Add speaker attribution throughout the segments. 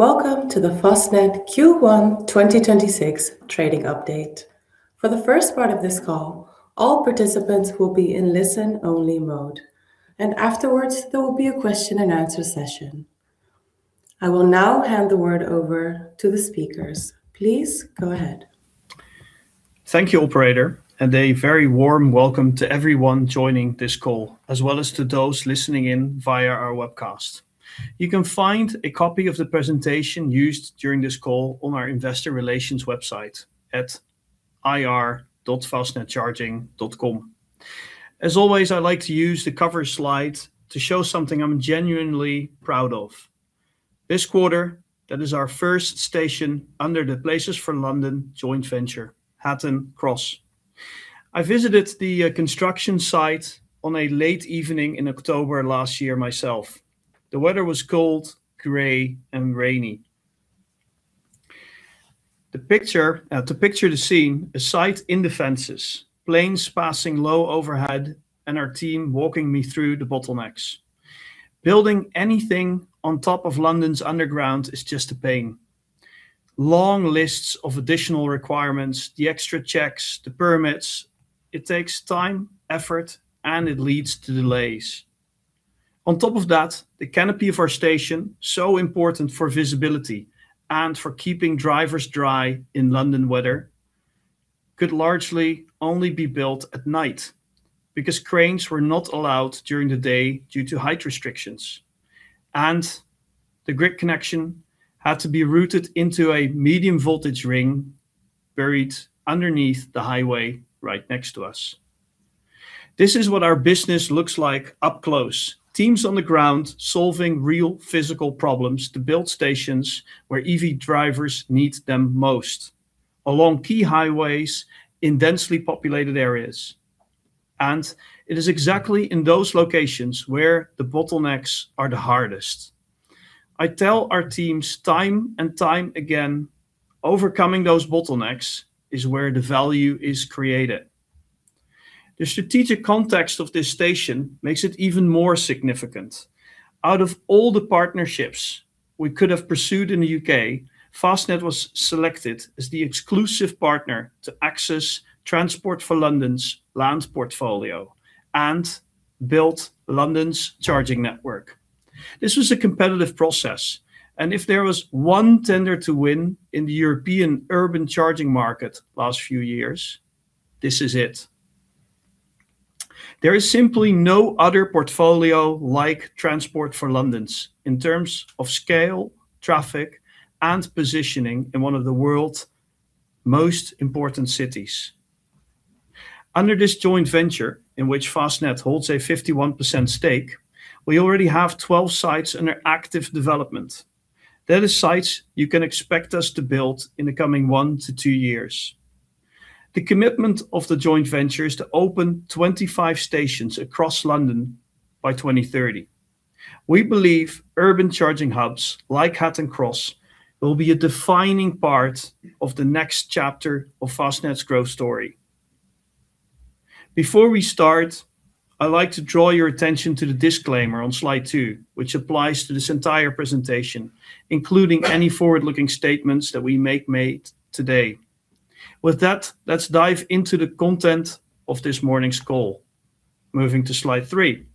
Speaker 1: Welcome to the Fastned Q1 2026 trading update. For the first part of this call, all participants will be in listen-only mode, and afterwards, there will be a question and answer session. I will now hand the word over to the speakers. Please go ahead.
Speaker 2: Thank you, operator, and a very warm welcome to everyone joining this call, as well as to those listening in via our webcast. You can find a copy of the presentation used during this call on our investor relations website at ir.fastnedcharging.com. As always, I like to use the cover slide to show something I'm genuinely proud of. This quarter, that is our first station under the Places for London joint venture, Hatton Cross. I visited the construction site on a late evening in October last year myself. The weather was cold, gray, and rainy. To picture the scene, a site in the fences, planes passing low overhead, and our team walking me through the bottlenecks. Building anything on top of London's Underground is just a pain. Long lists of additional requirements, the extra checks, the permits, it takes time, effort, and it leads to delays. On top of that, the canopy of our station, so important for visibility and for keeping drivers dry in London weather, could largely only be built at night because cranes were not allowed during the day due to height restrictions, and the grid connection had to be routed into a medium voltage ring buried underneath the highway right next to us. This is what our business looks like up close, teams on the ground solving real physical problems to build stations where EV drivers need them most, along key highways in densely populated areas. It is exactly in those locations where the bottlenecks are the hardest. I tell our teams time and time again, overcoming those bottlenecks is where the value is created. The strategic context of this station makes it even more significant. Out of all the partnerships we could have pursued in the U.K., Fastned was selected as the exclusive partner to access Transport for London's land portfolio and build London's charging network. This was a competitive process, and if there was one tender to win in the European urban charging market last few years, this is it. There is simply no other portfolio like Transport for London's in terms of scale, traffic, and positioning in one of the world's most important cities. Under this joint venture, in which Fastned holds a 51% stake, we already have 12 sites under active development. That is sites you can expect us to build in the coming one to two years. The commitment of the joint venture is to open 25 stations across London by 2030. We believe urban charging hubs like Hatton Cross will be a defining part of the next chapter of Fastned's growth story. Before we start, I like to draw your attention to the disclaimer on slide two, which applies to this entire presentation, including any forward-looking statements that we make today. With that, let's dive into the content of this morning's call. Moving to slide three.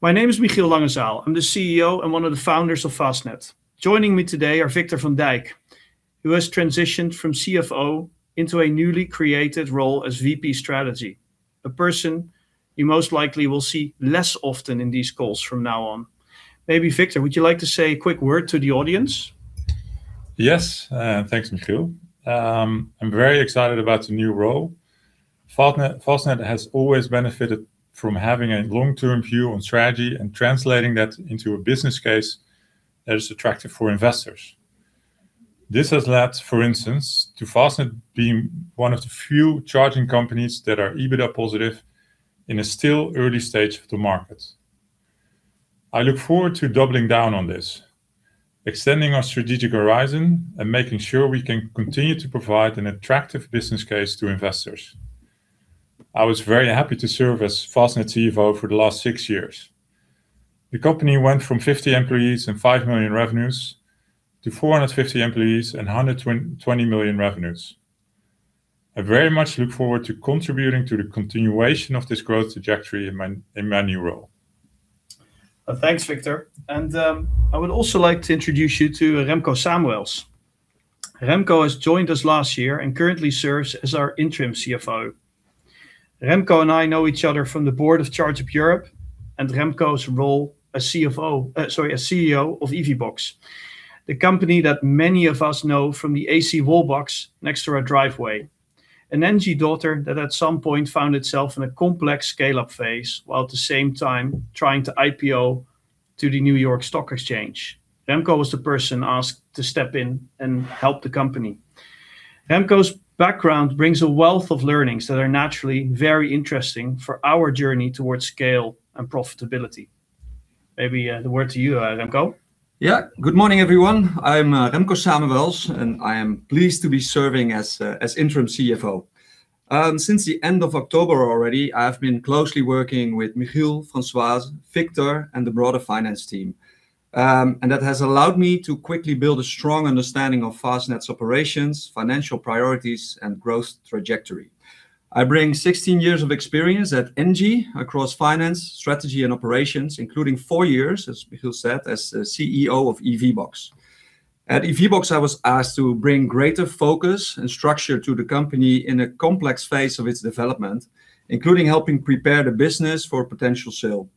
Speaker 2: My name is Michiel Langezaal. I'm the CEO and one of the founders of Fastned. Joining me today are Victor van Dijk, who has transitioned from CFO into a newly created role as VP Strategy. A person you most likely will see less often in these calls from now on. Maybe Victor, would you like to say a quick word to the audience?
Speaker 3: Yes. Thanks, Michiel. I'm very excited about the new role. Fastned has always benefited from having a long-term view on strategy and translating that into a business case that is attractive for investors. This has led, for instance, to Fastned being one of the few charging companies that are EBITDA positive in a still early stage of the market. I look forward to doubling down on this, extending our strategic horizon and making sure we can continue to provide an attractive business case to investors. I was very happy to serve as Fastned CFO for the last six years. The company went from 50 employees and 5 million revenues to 450 employees and 120 million revenues. I very much look forward to contributing to the continuation of this growth trajectory in my new role.
Speaker 2: Thanks, Victor. I would also like to introduce you to Remco Samuels. Remco has joined us last year and currently serves as our Interim CFO. Remco and I know each other from the board of ChargeUp Europe and Remco's role as CFO—sorry, CEO of EVBox, the company that many of us know from the AC wall box next to our driveway. An ENGIE daughter that at some point found itself in a complex scale-up phase while at the same time trying to IPO to the New York Stock Exchange. Remco was the person asked to step in and help the company. Remco's background brings a wealth of learnings that are naturally very interesting for our journey towards scale and profitability. Maybe the word to you, Remco.
Speaker 4: Yeah. Good morning, everyone. I'm Remco Samuels, and I am pleased to be serving as Interim CFO. Since the end of October already, I have been closely working with Michiel, Francois, Victor, and the broader finance team. That has allowed me to quickly build a strong understanding of Fastned's operations, financial priorities and growth trajectory. I bring 16 years of experience at ING across finance, strategy, and operations, including four years, as Michiel said, as CEO of EVBox. At EVBox, I was asked to bring greater focus and structure to the company in a complex phase of its development, including helping prepare the business for potential sale.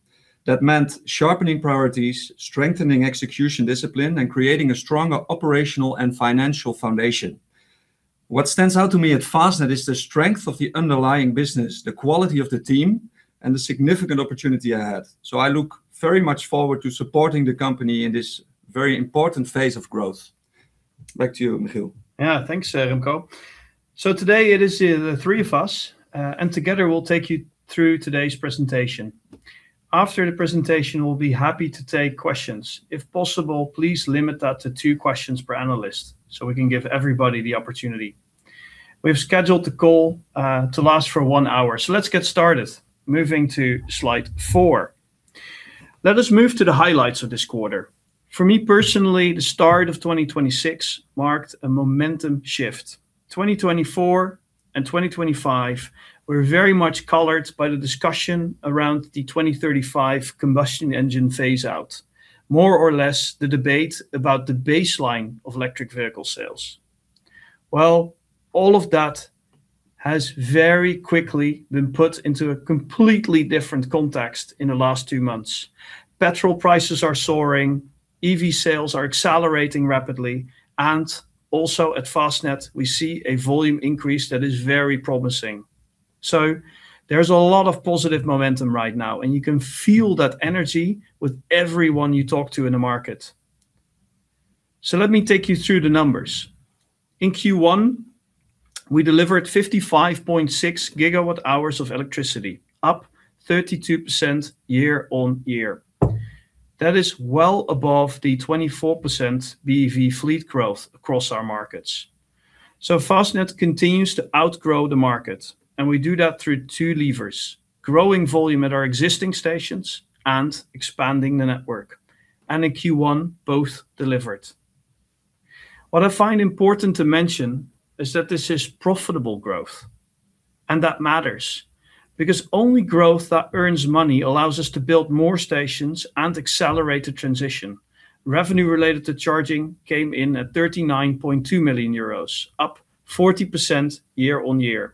Speaker 4: That meant sharpening priorities, strengthening execution discipline, and creating a stronger operational and financial foundation. What stands out to me at Fastned is the strength of the underlying business, the quality of the team, and the significant opportunity I have. I look very much forward to supporting the company in this very important phase of growth. Back to you, Michiel.
Speaker 2: Yeah, thanks, Remco. Today it is the three of us, and together we'll take you through today's presentation. After the presentation, we'll be happy to take questions. If possible, please limit that to two questions per analyst so we can give everybody the opportunity. We've scheduled the call to last for one hour, so let's get started. Moving to slide four. Let us move to the highlights of this quarter. For me personally, the start of 2026 marked a momentum shift. 2024 and 2025 were very much colored by the discussion around the 2035 combustion engine phase out, more or less the debate about the baseline of electric vehicle sales. Well, all of that has very quickly been put into a completely different context in the last two months. Petrol prices are soaring, EV sales are accelerating rapidly, and also at Fastned we see a volume increase that is very promising. There's a lot of positive momentum right now, and you can feel that energy with everyone you talk to in the market. Let me take you through the numbers. In Q1, we delivered 55.6 GWh of electricity, up 32% year-on-year. That is well above the 24% BEV fleet growth across our markets. Fastned continues to outgrow the market, and we do that through two levers, growing volume at our existing stations and expanding the network. In Q1, both delivered. What I find important to mention is that this is profitable growth, and that matters because only growth that earns money allows us to build more stations and accelerate the transition. Revenue related to charging came in at 39.2 million euros, up 40% year-on-year.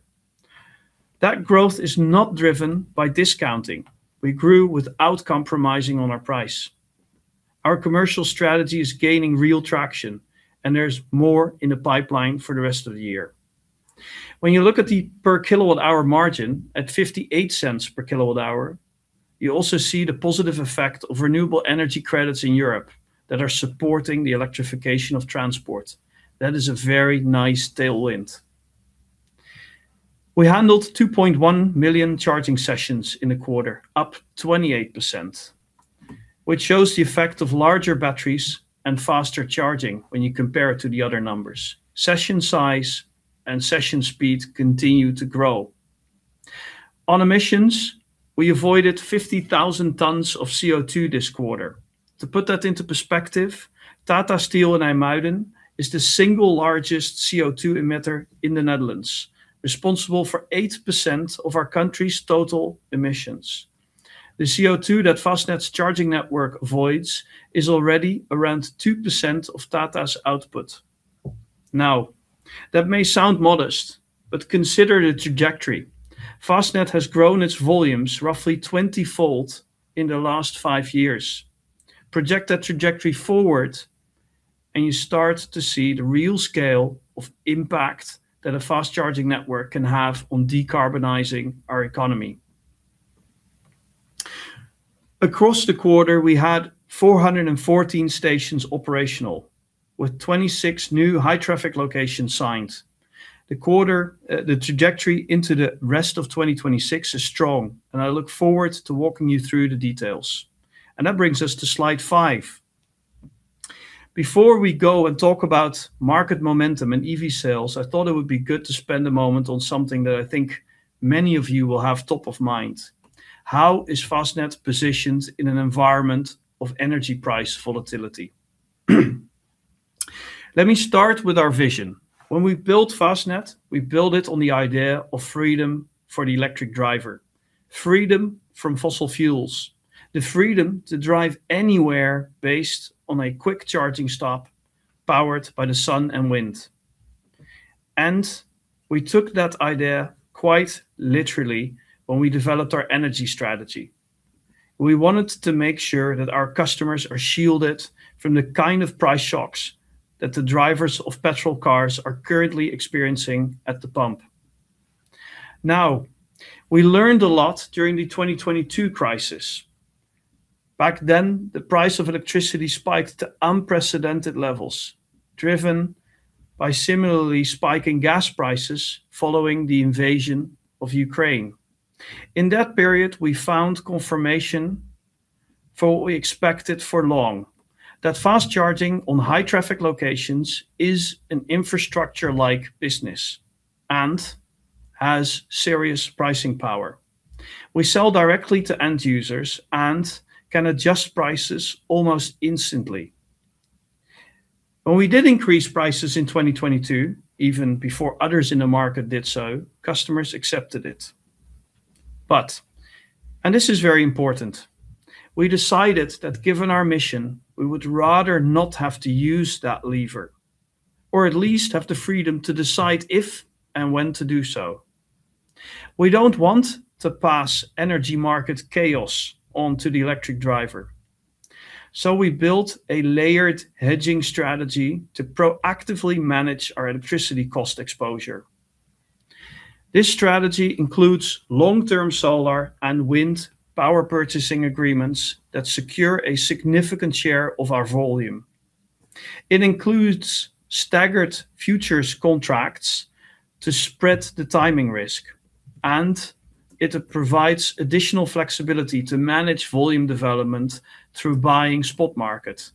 Speaker 2: That growth is not driven by discounting. We grew without compromising on our price. Our commercial strategy is gaining real traction and there's more in the pipeline for the rest of the year. When you look at the per kilowatt hour margin at 0.58 per kilowatt hour, you also see the positive effect of renewable energy credits in Europe that are supporting the electrification of transport. That is a very nice tailwind. We handled 2.1 million charging sessions in the quarter, up 28%, which shows the effect of larger batteries and faster charging when you compare it to the other numbers. Session size and session speed continue to grow. On emissions, we avoided 50,000 tons of CO2 this quarter. To put that into perspective, Tata Steel in IJmuiden is the single largest CO2 emitter in the Netherlands, responsible for 8% of our country's total emissions. The CO2 that Fastned's charging network avoids is already around 2% of Tata's output. Now, that may sound modest, but consider the trajectory. Fastned has grown its volumes roughly twentyfold in the last five years. Project that trajectory forward and you start to see the real scale of impact that a fast charging network can have on decarbonizing our economy. Across the quarter, we had 414 stations operational with 26 new high traffic locations signed. The trajectory into the rest of 2026 is strong and I look forward to walking you through the details. That brings us to slide five. Before we go and talk about market momentum and EV sales, I thought it would be good to spend a moment on something that I think many of you will have top of mind. How is Fastned positioned in an environment of energy price volatility? Let me start with our vision. When we built Fastned, we built it on the idea of freedom for the electric driver, freedom from fossil fuels, the freedom to drive anywhere based on a quick charging stop powered by the sun and wind. We took that idea quite literally when we developed our energy strategy. We wanted to make sure that our customers are shielded from the kind of price shocks that the drivers of petrol cars are currently experiencing at the pump. Now, we learned a lot during the 2022 crisis. Back then, the price of electricity spiked to unprecedented levels, driven by similarly spiking gas prices following the invasion of Ukraine. In that period, we found confirmation for what we expected for long: that fast charging on high traffic locations is an infrastructure-like business and has serious pricing power. We sell directly to end users and can adjust prices almost instantly. When we did increase prices in 2022, even before others in the market did so, customers accepted it. This is very important, we decided that given our mission, we would rather not have to use that lever, or at least have the freedom to decide if and when to do so. We don't want to pass energy market chaos on to the electric driver. We built a layered hedging strategy to proactively manage our electricity cost exposure. This strategy includes long-term solar and wind Power Purchase Agreements that secure a significant share of our volume. It includes staggered futures contracts to spread the timing risk, and it provides additional flexibility to manage volume development through buying spot market,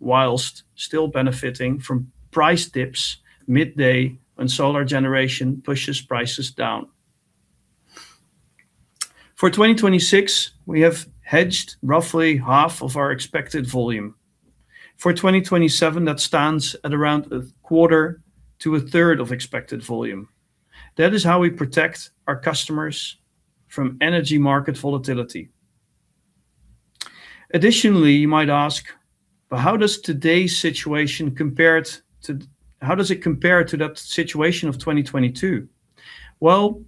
Speaker 2: while still benefiting from price dips midday when solar generation pushes prices down. For 2026, we have hedged roughly half of our expected volume. For 2027, that stands at around a quarter to a third of expected volume. That is how we protect our customers from energy market volatility. Additionally, you might ask, how does it compare to that situation of 2022? Well,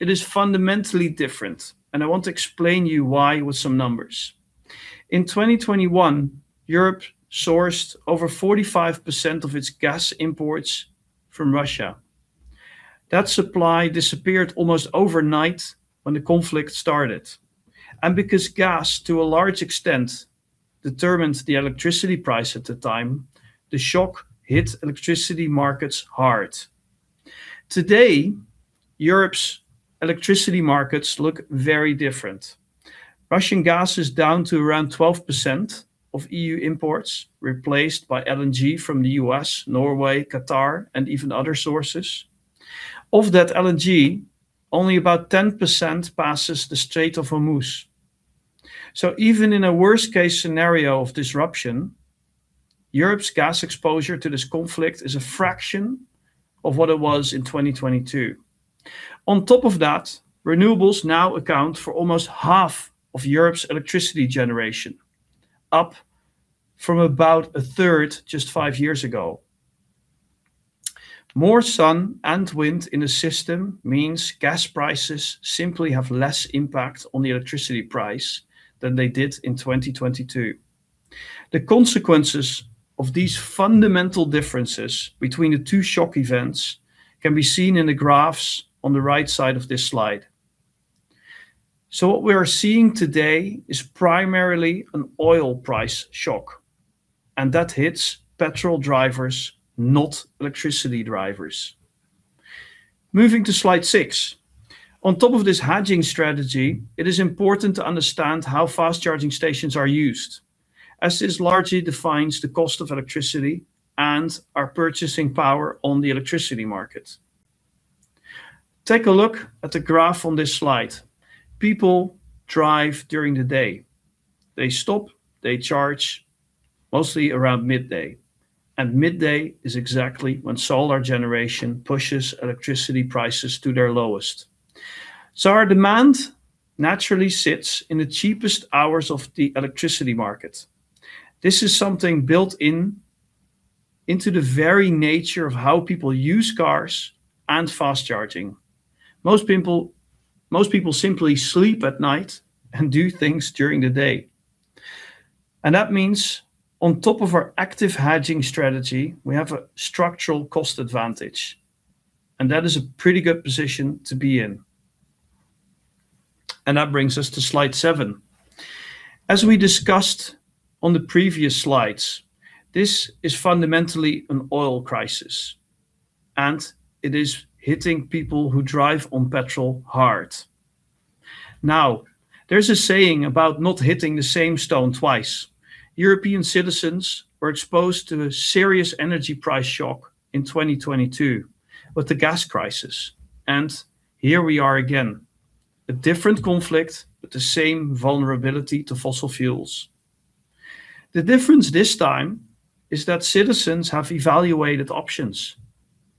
Speaker 2: it is fundamentally different, and I want to explain to you why with some numbers. In 2021, Europe sourced over 45% of its gas imports from Russia. That supply disappeared almost overnight when the conflict started. Because gas, to a large extent, determined the electricity price at the time, the shock hit electricity markets hard. Today, Europe's electricity markets look very different. Russian gas is down to around 12% of EU imports, replaced by LNG from the U.S., Norway, Qatar, and even other sources. Of that LNG, only about 10% passes the Strait of Hormuz. Even in a worst-case scenario of disruption, Europe's gas exposure to this conflict is a fraction of what it was in 2022. On top of that, renewables now account for almost half of Europe's electricity generation, up from about a third just five years ago. More sun and wind in the system means gas prices simply have less impact on the electricity price than they did in 2022. The consequences of these fundamental differences between the two shock events can be seen in the graphs on the right side of this slide. What we are seeing today is primarily an oil price shock, and that hits petrol drivers, not electricity drivers. Moving to slide six. On top of this hedging strategy, it is important to understand how fast charging stations are used, as this largely defines the cost of electricity and our purchasing power on the electricity market. Take a look at the graph on this slide. People drive during the day. They stop, they charge, mostly around midday. Midday is exactly when solar generation pushes electricity prices to their lowest. Our demand naturally sits in the cheapest hours of the electricity market. This is something built into the very nature of how people use cars and fast charging. Most people simply sleep at night and do things during the day. That means on top of our active hedging strategy, we have a structural cost advantage, and that is a pretty good position to be in. That brings us to slide seven. As we discussed on the previous slides, this is fundamentally an oil crisis, and it is hitting people who drive on petrol hard. Now, there's a saying about not hitting the same stone twice. European citizens were exposed to a serious energy price shock in 2022 with the gas crisis. Here we are again, a different conflict with the same vulnerability to fossil fuels. The difference this time is that citizens have evaluated options.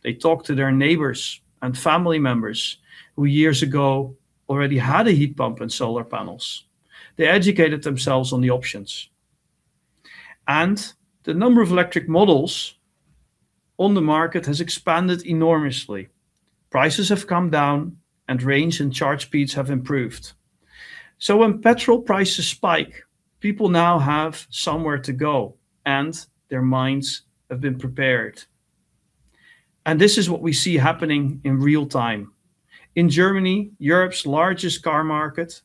Speaker 2: They talked to their neighbors and family members who years ago already had a heat pump and solar panels. They educated themselves on the options. The number of electric models on the market has expanded enormously. Prices have come down, and range and charge speeds have improved. When gasoline prices spike, people now have somewhere to go, and their minds have been prepared. This is what we see happening in real time. In Germany, Europe's largest car market,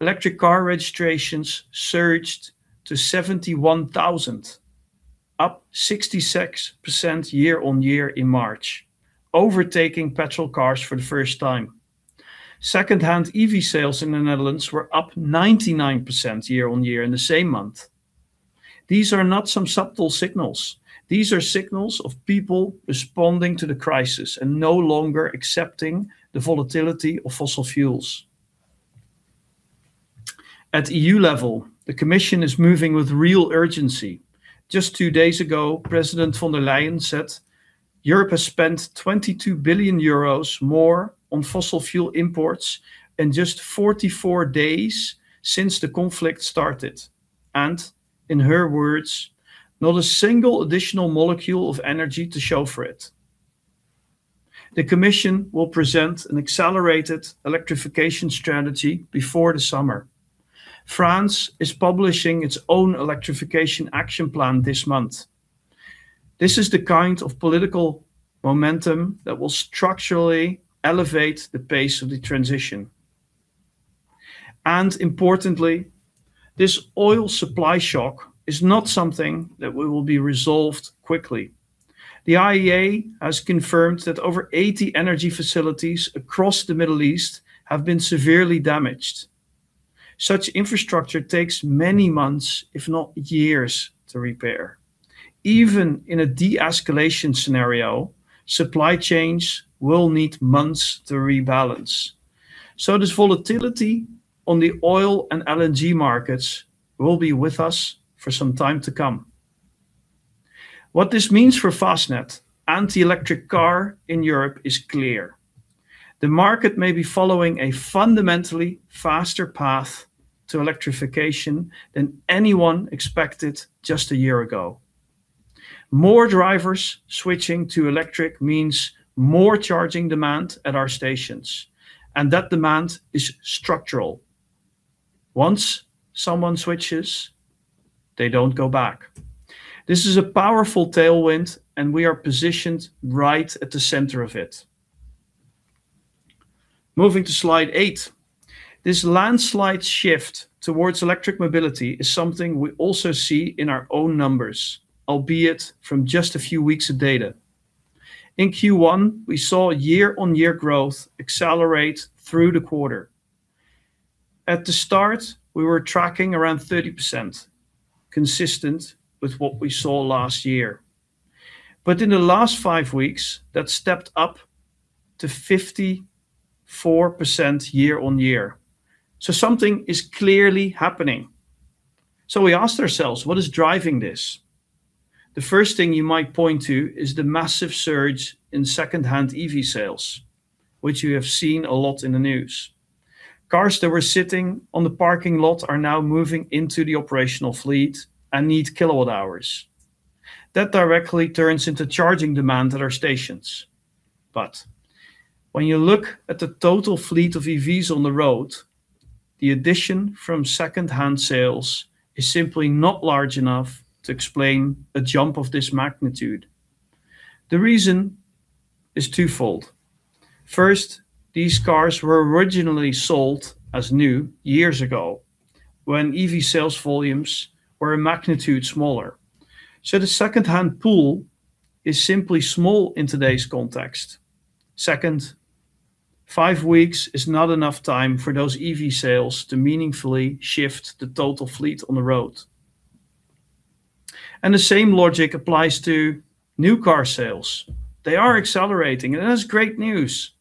Speaker 2: electric car registrations surged to 71,000, up 66% year-on-year in March, overtaking gasoline cars for the first time. Secondhand EV sales in the Netherlands were up 99% year-on-year in the same month. These are not some subtle signals. These are signals of people responding to the crisis and no longer accepting the volatility of fossil fuels. At EU level, the Commission is moving with real urgency. Just two days ago, President von der Leyen said Europe has spent 22 billion euros more on fossil fuel imports in just 44 days since the conflict started, and, in her words, "Not a single additional molecule of energy to show for it." The Commission will present an accelerated electrification strategy before the summer. France is publishing its own electrification action plan this month. This is the kind of political momentum that will structurally elevate the pace of the transition. Importantly, this oil supply shock is not something that will be resolved quickly. The IEA has confirmed that over 80 energy facilities across the Middle East have been severely damaged. Such infrastructure takes many months, if not years, to repair. Even in a de-escalation scenario, supply chains will need months to rebalance. This volatility on the oil and LNG markets will be with us for some time to come. What this means for Fastned and the electric car in Europe is clear. The market may be following a fundamentally faster path to electrification than anyone expected just a year ago. More drivers switching to electric means more charging demand at our stations, and that demand is structural. Once someone switches, they don't go back. This is a powerful tailwind, and we are positioned right at the center of it. Moving to slide eight. This landslide shift towards electric mobility is something we also see in our own numbers, albeit from just a few weeks of data. In Q1, we saw year-on-year growth accelerate through the quarter. At the start, we were tracking around 30%, consistent with what we saw last year. But in the last five weeks, that stepped up to 54% year-on-year. Something is clearly happening. We asked ourselves, what is driving this? The first thing you might point to is the massive surge in second-hand EV sales, which you have seen a lot in the news. Cars that were sitting on the parking lot are now moving into the operational fleet and need kilowatt hours. That directly turns into charging demand at our stations. When you look at the total fleet of EVs on the road, the addition from second-hand sales is simply not large enough to explain a jump of this magnitude. The reason is twofold. First, these cars were originally sold as new years ago when EV sales volumes were a magnitude smaller. The second-hand pool is simply small in today's context. Second, five weeks is not enough time for those EV sales to meaningfully shift the total fleet on the road. The same logic applies to new car sales. They are accelerating, and that's great news.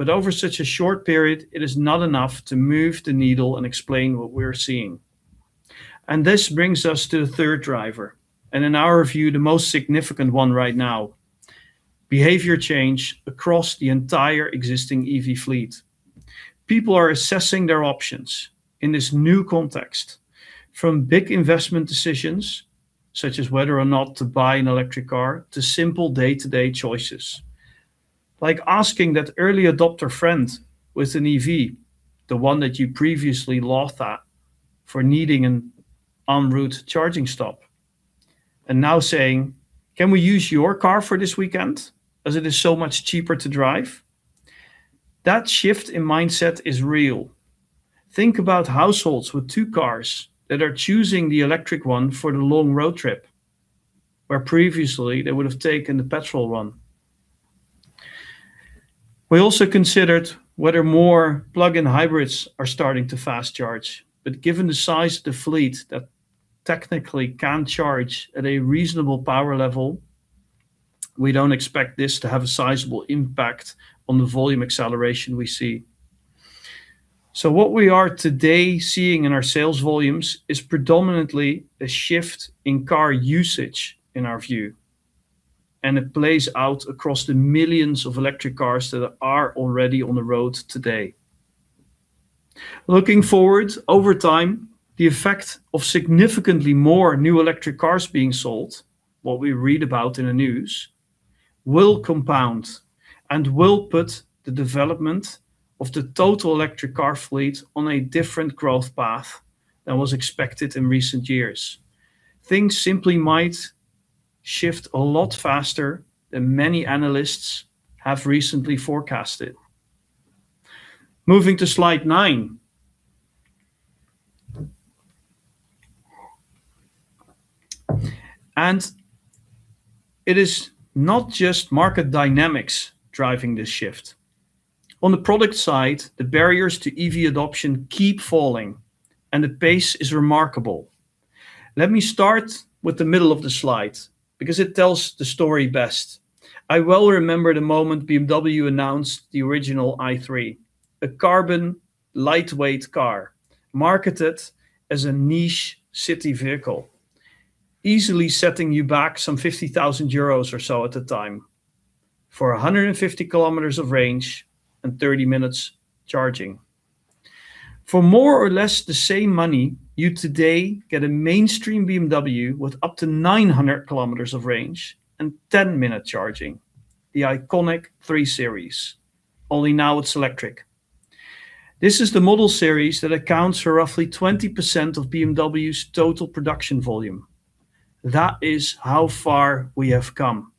Speaker 2: Over such a short period, it is not enough to move the needle and explain what we're seeing. This brings us to the third driver, and in our view, the most significant one right now. Behavior change across the entire existing EV fleet. People are assessing their options in this new context from big investment decisions, such as whether or not to buy an electric car, to simple day-to-day choices. Like asking that early adopter friend with an EV, the one that you previously laughed at for needing an en route charging stop, and now saying, "Can we use your car for this weekend as it is so much cheaper to drive?" That shift in mindset is real. Think about households with two cars that are choosing the electric one for the long road trip, where previously they would have taken the petrol one. We also considered whether more plug-in hybrids are starting to fast charge. Given the size of the fleet that technically can charge at a reasonable power level, we don't expect this to have a sizable impact on the volume acceleration we see. What we are today seeing in our sales volumes is predominantly a shift in car usage in our view, and it plays out across the millions of electric cars that are already on the road today. Looking forward, over time, the effect of significantly more new electric cars being sold, what we read about in the news, will compound and will put the development of the total electric car fleet on a different growth path than was expected in recent years. Things simply might shift a lot faster than many analysts have recently forecasted. Moving to slide nine. It is not just market dynamics driving this shift. On the product side, the barriers to EV adoption keep falling, and the pace is remarkable. Let me start with the middle of the slide because it tells the story best. I well remember the moment BMW announced the original i3, a carbon lightweight car marketed as a niche city vehicle, easily setting you back some 50,000 euros or so at the time, for 150 km of range and 30 minutes charging. For more or less the same money, you today get a mainstream BMW with up to 900 km of range and 10-minute charging. The iconic 3 Series, only now it's electric. This is the model series that accounts for roughly 20% of BMW's total production volume. That is how far we have come.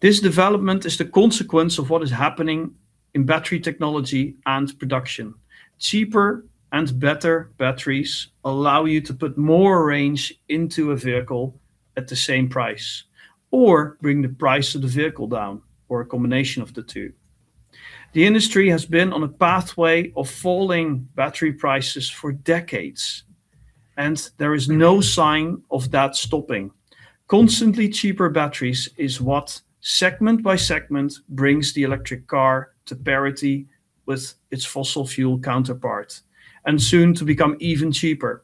Speaker 2: This development is the consequence of what is happening in battery technology and production. Cheaper and better batteries allow you to put more range into a vehicle at the same price, or bring the price of the vehicle down, or a combination of the two. The industry has been on a pathway of falling battery prices for decades, and there is no sign of that stopping. Constantly cheaper batteries is what, segment by segment, brings the electric car to parity with its fossil fuel counterpart, and soon to become even cheaper.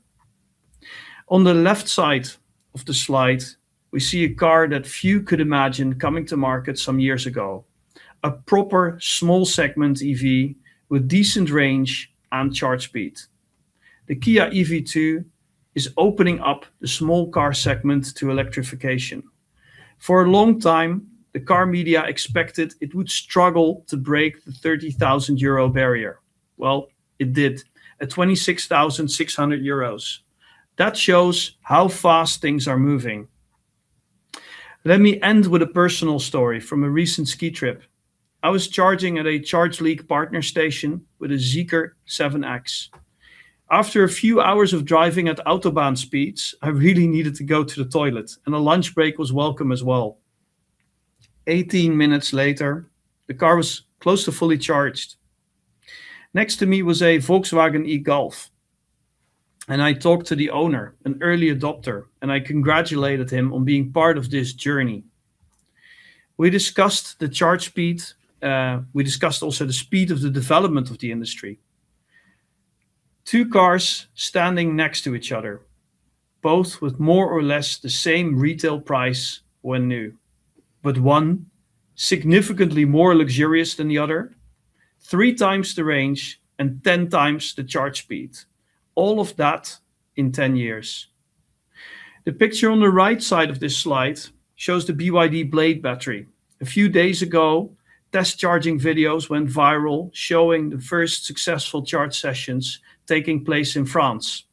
Speaker 2: On the left side of the slide, we see a car that few could imagine coming to market some years ago, a proper small segment EV with decent range and charge speed. The Kia EV2 is opening up the small car segment to electrification. For a long time, the car media expected it would struggle to break the 30,000 euro barrier. Well, it did, at 26,600 euros. That shows how fast things are moving. Let me end with a personal story from a recent ski trip. I was charging at a ChargeLeague partner station with a Zeekr 7X. After a few hours of driving at autobahn speeds, I really needed to go to the toilet, and a lunch break was welcome as well. 18 minutes later, the car was close to fully charged. Next to me was a Volkswagen e-Golf, and I talked to the owner, an early adopter, and I congratulated him on being part of this journey. We discussed the charge speed. We discussed also the speed of the development of the industry. Two cars standing next to each other, both with more or less the same retail price when new, but one significantly more luxurious than the other, three times the range and 10 times the charge speed. All of that in 10 years. The picture on the right side of this slide shows the BYD Blade Battery. A few days ago, test charging videos went viral, showing the first successful charge sessions taking place in France.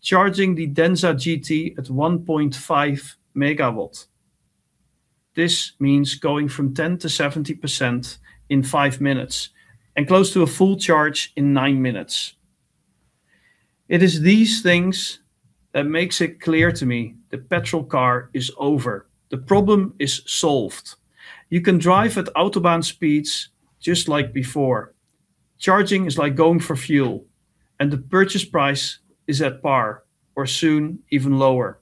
Speaker 2: Charging the Denza Z9 GT at 1.5 MW. This means going from 10% to 70% in five minutes, and close to a full charge in nine minutes. It is these things that makes it clear to me the petrol car is over. The problem is solved. You can drive at autobahn speeds just like before. Charging is like going for fuel, and the purchase price is at par or soon even lower.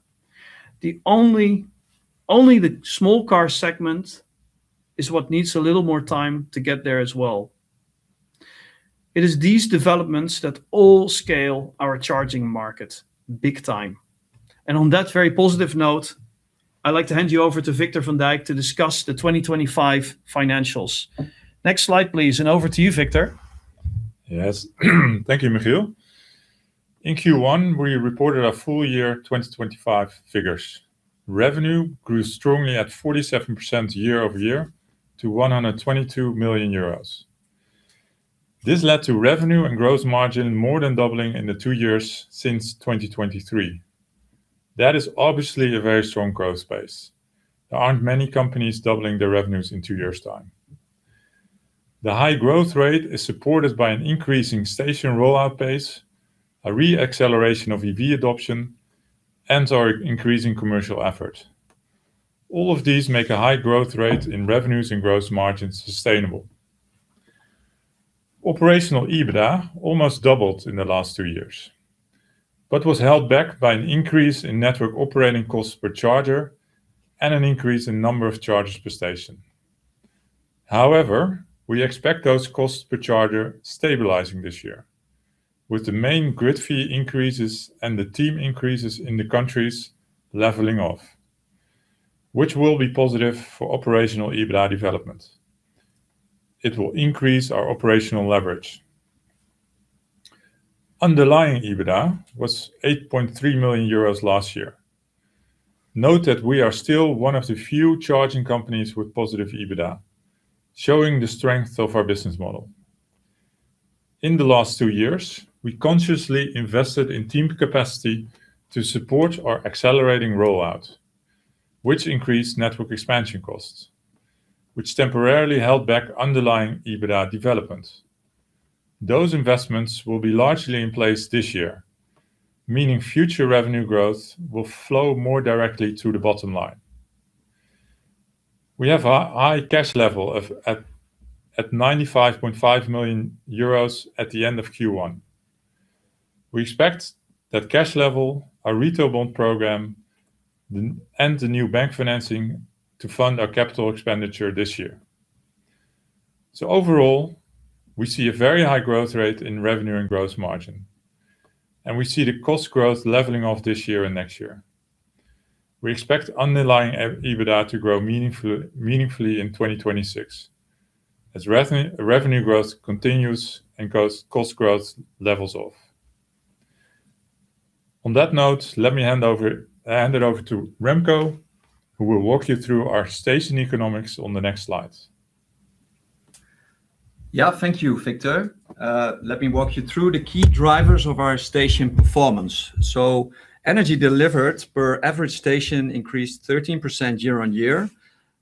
Speaker 2: Only the small car segment is what needs a little more time to get there as well. It is these developments that all scale our charging market big time. On that very positive note, I'd like to hand you over to Victor van Dijk to discuss the 2025 financials. Next slide, please, and over to you, Victor.
Speaker 3: Yes. Thank you, Michiel. In Q1, we reported our full year 2025 figures. Revenue grew strongly at 47% year-over-year to 122 million euros. This led to revenue and gross margin more than doubling in the two years since 2023. That is obviously a very strong growth pace. There aren't many companies doubling their revenues in two years' time. The high growth rate is supported by an increasing station rollout base, a re-acceleration of EV adoption, and our increasing commercial effort. All of these make a high growth rate in revenues and gross margins sustainable. Operational EBITDA almost doubled in the last two years but was held back by an increase in network operating costs per charger and an increase in number of chargers per station. However, we expect those costs per charger stabilizing this year, with the main grid fee increases and the team increases in the countries leveling off, which will be positive for operational EBITDA developments. It will increase our operational leverage. Underlying EBITDA was 8.3 million euros last year. Note that we are still one of the few charging companies with positive EBITDA, showing the strength of our business model. In the last two years, we consciously invested in team capacity to support our accelerating rollout, which increased network expansion costs. Which temporarily held back underlying EBITDA developments. Those investments will be largely in place this year, meaning future revenue growth will flow more directly to the bottom line. We have a high cash level at 95.5 million euros at the end of Q1. We expect that cash level, our retail bond program, and the new bank financing to fund our capital expenditure this year. Overall, we see a very high growth rate in revenue and gross margin, and we see the cost growth leveling off this year and next year. We expect underlying EBITDA to grow meaningfully in 2026 as revenue growth continues and cost growth levels off. On that note, let me hand it over to Remco, who will walk you through our station economics on the next slides.
Speaker 4: Yeah. Thank you, Victor. Let me walk you through the key drivers of our station performance. Energy delivered per average station increased 13% year-on-year,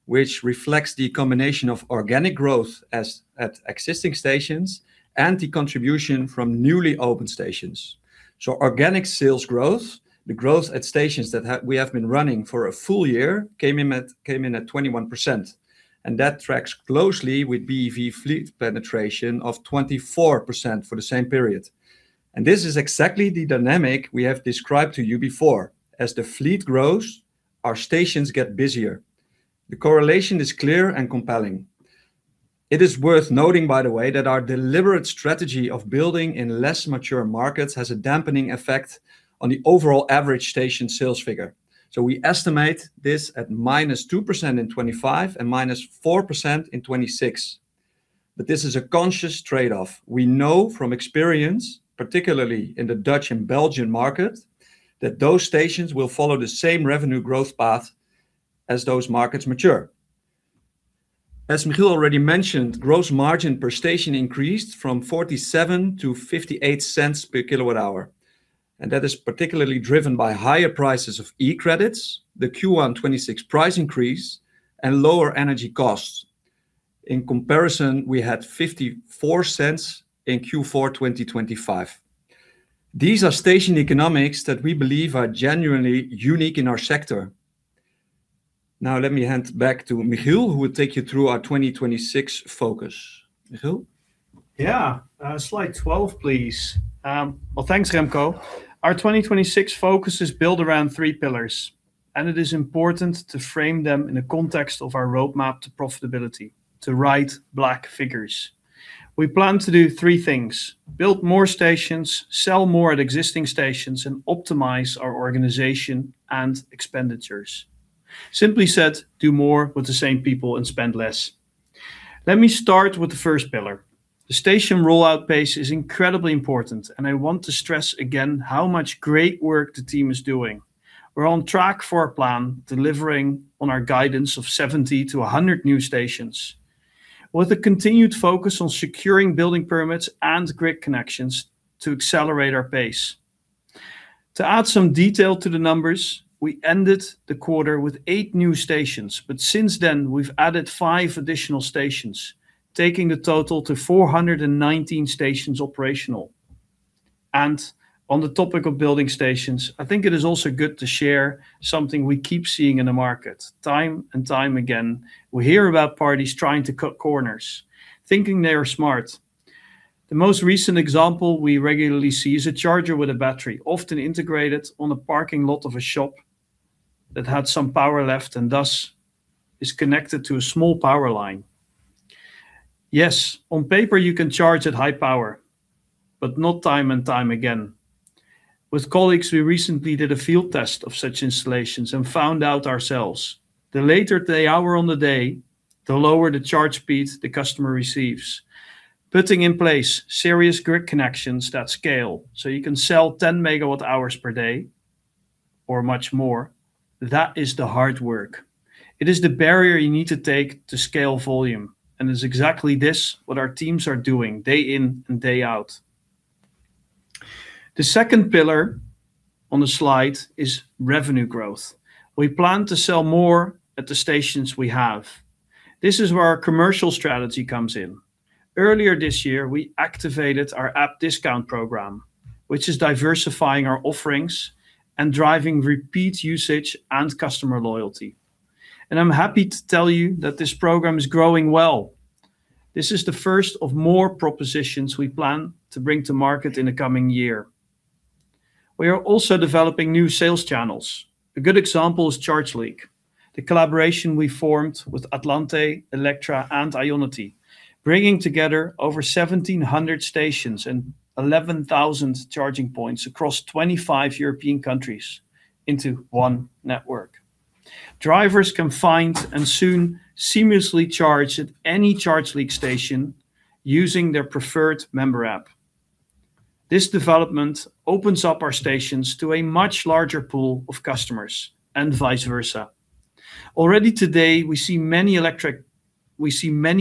Speaker 4: which reflects the combination of organic growth at existing stations and the contribution from newly opened stations. Organic sales growth, the growth at stations that we have been running for a full year, came in at 21%, and that tracks closely with BEV fleet penetration of 24% for the same period. This is exactly the dynamic we have described to you before. As the fleet grows, our stations get busier. The correlation is clear and compelling. It is worth noting, by the way, that our deliberate strategy of building in less mature markets has a dampening effect on the overall average station sales figure. We estimate this at -2% in 2025 and -4% in 2026. This is a conscious trade-off. We know from experience, particularly in the Dutch and Belgian market, that those stations will follow the same revenue growth path as those markets mature. As Michiel already mentioned, gross margin per station increased from 0.47 to 0.58 per kilowatt hour, and that is particularly driven by higher prices of E-credits, the Q1 2026 price increase, and lower energy costs. In comparison, we had 0.54 in Q4 2025. These are station economics that we believe are genuinely unique in our sector. Now let me hand back to Michiel, who will take you through our 2026 focus. Michiel?
Speaker 2: Yeah. Slide 12, please. Well, thanks, Remco. Our 2026 focus is built around three pillars, and it is important to frame them in the context of our roadmap to profitability, to write black figures. We plan to do three things: build more stations, sell more at existing stations, and optimize our organization and expenditures. Simply said, do more with the same people and spend less. Let me start with the first pillar. The station rollout pace is incredibly important, and I want to stress again how much great work the team is doing. We're on track for our plan, delivering on our guidance of 70-100 new stations with a continued focus on securing building permits and grid connections to accelerate our pace. To add some detail to the numbers, we ended the quarter with eight new stations, but since then, we've added five additional stations, taking the total to 419 stations operational. On the topic of building stations, I think it is also good to share something we keep seeing in the market. Time and time again, we hear about parties trying to cut corners thinking they are smart. The most recent example we regularly see is a charger with a battery, often integrated on a parking lot of a shop that had some power left and thus is connected to a small power line. Yes, on paper you can charge at high power, but not time and time again. With colleagues, we recently did a field test of such installations and found out ourselves the later the hour on the day, the lower the charge speed the customer receives. Putting in place serious grid connections that scale so you can sell 10 MWh per day or much more, that is the hard work. It is the barrier you need to take to scale volume, and it's exactly this, what our teams are doing day in and day out. The second pillar on the slide is revenue growth. We plan to sell more at the stations we have. This is where our commercial strategy comes in. Earlier this year, we activated our app discount program, which is diversifying our offerings and driving repeat usage and customer loyalty. I'm happy to tell you that this program is growing well. This is the first of more propositions we plan to bring to market in the coming year. We are also developing new sales channels. A good example is ChargeLeague, the collaboration we formed with Atlante, Electra, and IONITY, bringing together over 1,700 stations and 11,000 charging points across 25 European countries into one network. Drivers can find and soon seamlessly charge at any ChargeLeague station using their preferred member app. This development opens up our stations to a much larger pool of customers and vice versa. Already today, we see many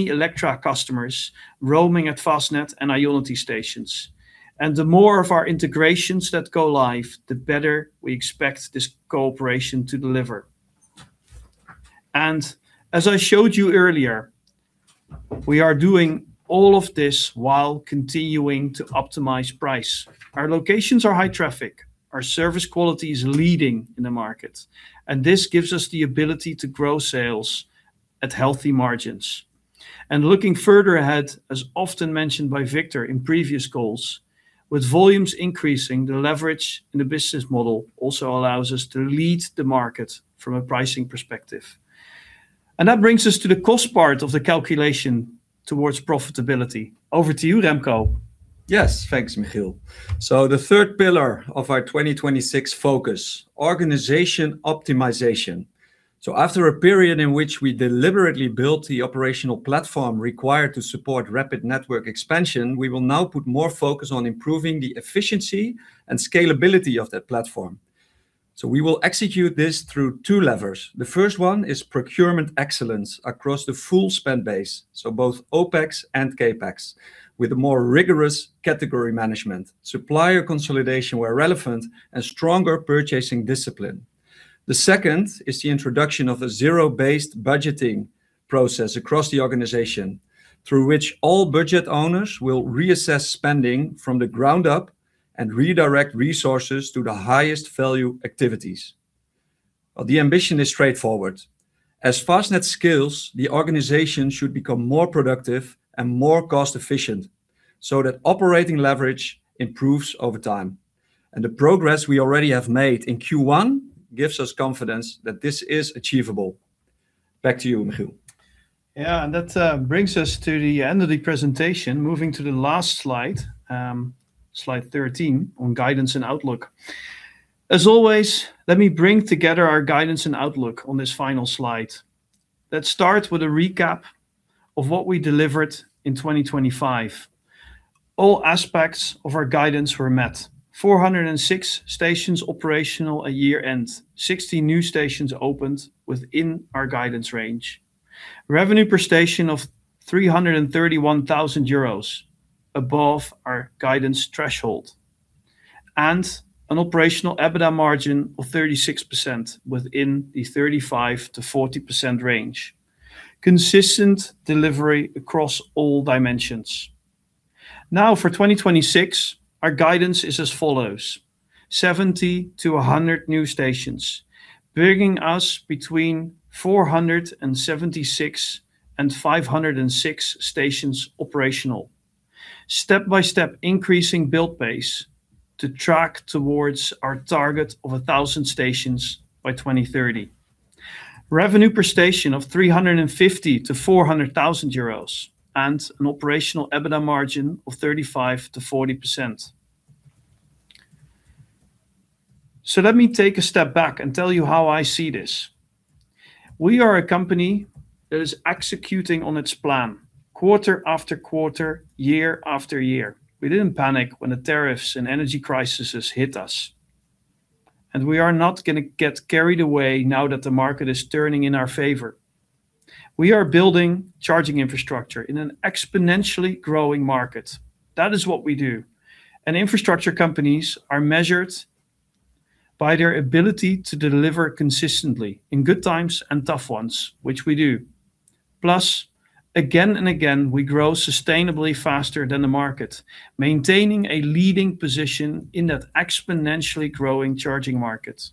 Speaker 2: Electra customers roaming at Fastned and IONITY stations. The more of our integrations that go live, the better we expect this cooperation to deliver. As I showed you earlier, we are doing all of this while continuing to optimize price. Our locations are high traffic. Our service quality is leading in the market, and this gives us the ability to grow sales at healthy margins. Looking further ahead, as often mentioned by Victor in previous calls, with volumes increasing, the leverage in the business model also allows us to lead the market from a pricing perspective. That brings us to the cost part of the calculation towards profitability. Over to you, Remco.
Speaker 4: Yes. Thanks, Michiel. The third pillar of our 2026 focus, organization optimization. After a period in which we deliberately built the operational platform required to support rapid network expansion, we will now put more focus on improving the efficiency and scalability of that platform. We will execute this through two levers. The first one is procurement excellence across the full spend base, so both OpEx and CapEx, with more rigorous category management, supplier consolidation where relevant, and stronger purchasing discipline. The second is the introduction of a zero-based budgeting process across the organization, through which all budget owners will reassess spending from the ground up and redirect resources to the highest value activities. The ambition is straightforward. As Fastned scales, the organization should become more productive and more cost efficient so that operating leverage improves over time. The progress we already have made in Q1 gives us confidence that this is achievable. Back to you, Michiel.
Speaker 2: Yeah. That brings us to the end of the presentation, moving to the last slide 13 on guidance and outlook. As always, let me bring together our guidance and outlook on this final slide. Let's start with a recap of what we delivered in 2025. All aspects of our guidance were met. 406 stations operational at year-end, 60 new stations opened within our guidance range. Revenue per station of 331,000 euros, above our guidance threshold. An operational EBITDA margin of 36% within the 35%-40% range. Consistent delivery across all dimensions. Now, for 2026, our guidance is as follows: 70 to 100 new stations, bringing us between 476 and 506 stations operational. Step-by-step increasing build base to track towards our target of 1,000 stations by 2030. Revenue per station of 350,000-400,000 euros, and an operational EBITDA margin of 35%-40%. Let me take a step back and tell you how I see this. We are a company that is executing on its plan quarter after quarter, year after year. We didn't panic when the tariffs and energy crises hit us, and we are not going to get carried away now that the market is turning in our favor. We are building charging infrastructure in an exponentially growing market. That is what we do. Infrastructure companies are measured by their ability to deliver consistently in good times and tough ones, which we do. Plus, again and again, we grow sustainably faster than the market, maintaining a leading position in that exponentially growing charging market.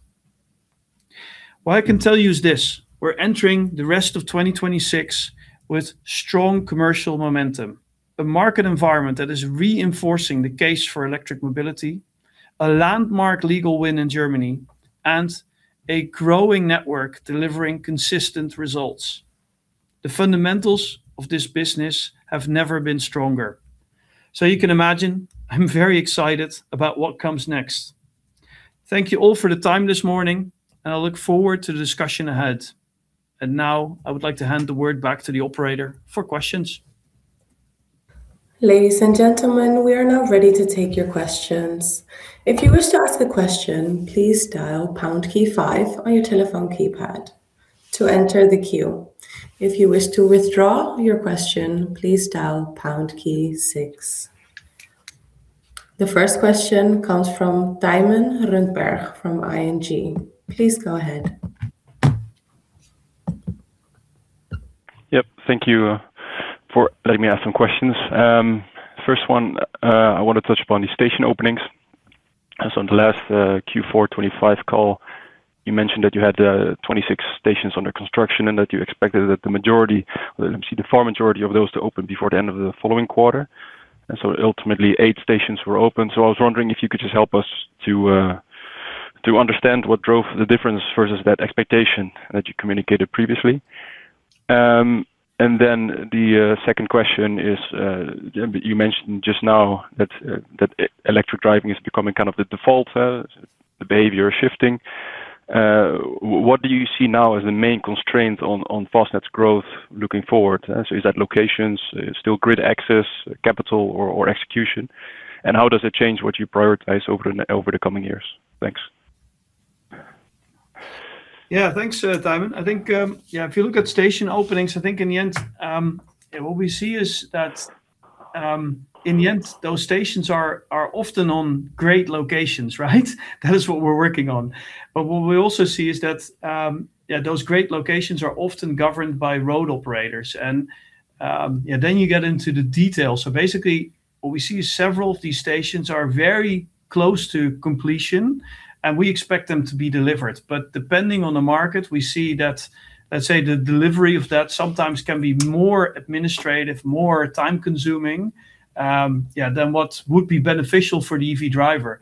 Speaker 2: What I can tell you is this: we're entering the rest of 2026 with strong commercial momentum, a market environment that is reinforcing the case for electric mobility, a landmark legal win in Germany, and a growing network delivering consistent results. The fundamentals of this business have never been stronger. You can imagine, I'm very excited about what comes next. Thank you all for the time this morning, and I look forward to the discussion ahead. Now I would like to hand the word back to the operator for questions.
Speaker 1: Ladies and gentlemen, we are now ready to take your questions. If you wish to ask a question, please dial pound key five on your telephone keypad to enter the queue. If you wish to withdraw your question, please dial pound key six. The first question comes from Thymen Rundberg from ING. Please go ahead.
Speaker 5: Yep. Thank you for letting me ask some questions. First one, I want to touch upon the station openings. On the last Q4 2025 call, you mentioned that you had 26 stations under construction and that you expected that the vast majority of those to open before the end of the following quarter. Ultimately, eight stations were open. I was wondering if you could just help us to understand what drove the difference versus that expectation that you communicated previously. Then the second question is, you mentioned just now that electric driving is becoming kind of the default, the behavior shifting. What do you see now as the main constraint on Fastned's growth looking forward? Is that locations, still grid access, capital or execution? How does it change what you prioritize over the coming years? Thanks.
Speaker 2: Yeah. Thanks, Thymen. I think, if you look at station openings, I think in the end, what we see is that in the end, those stations are often on great locations, right? That is what we're working on. What we also see is that, those great locations are often governed by road operators and, then you get into the details. Basically, what we see is several of these stations are very close to completion and we expect them to be delivered. Depending on the market, we see that, let's say, the delivery of that sometimes can be more administrative, more time consuming, than what would be beneficial for the EV driver.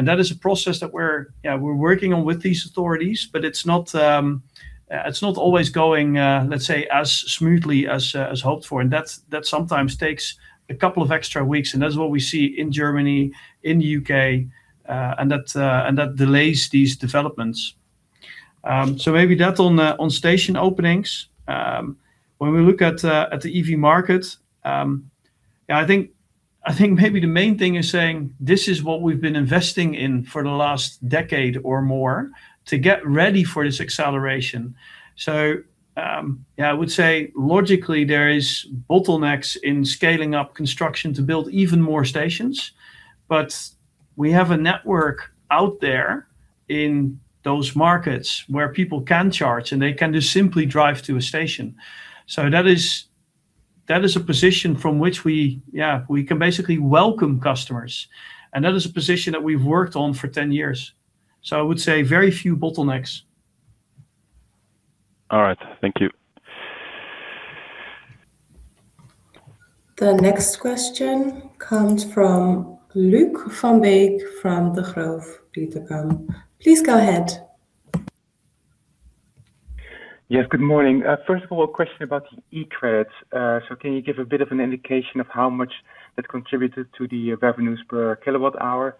Speaker 2: That is a process that we're working on with these authorities, but it's not always going, let's say, as smoothly as hoped for. That sometimes takes a couple of extra weeks, and that's what we see in Germany, in the U.K., and that delays these developments. Maybe that's on station openings. When we look at the EV market, I think maybe the main thing is saying this is what we've been investing in for the last decade or more to get ready for this acceleration. I would say logically, there is bottlenecks in scaling up construction to build even more stations, but we have a network out there in those markets where people can charge, and they can just simply drive to a station. That is a position from which we can basically welcome customers, and that is a position that we've worked on for 10 years. I would say very few bottlenecks.
Speaker 5: All right. Thank you.
Speaker 1: The next question comes from Luuk van Beek from Degroof Petercam. Please go ahead.
Speaker 6: Yes. Good morning. First of all, a question about the E-credits. Can you give a bit of an indication of how much that contributed to the revenues per kilowatt hour?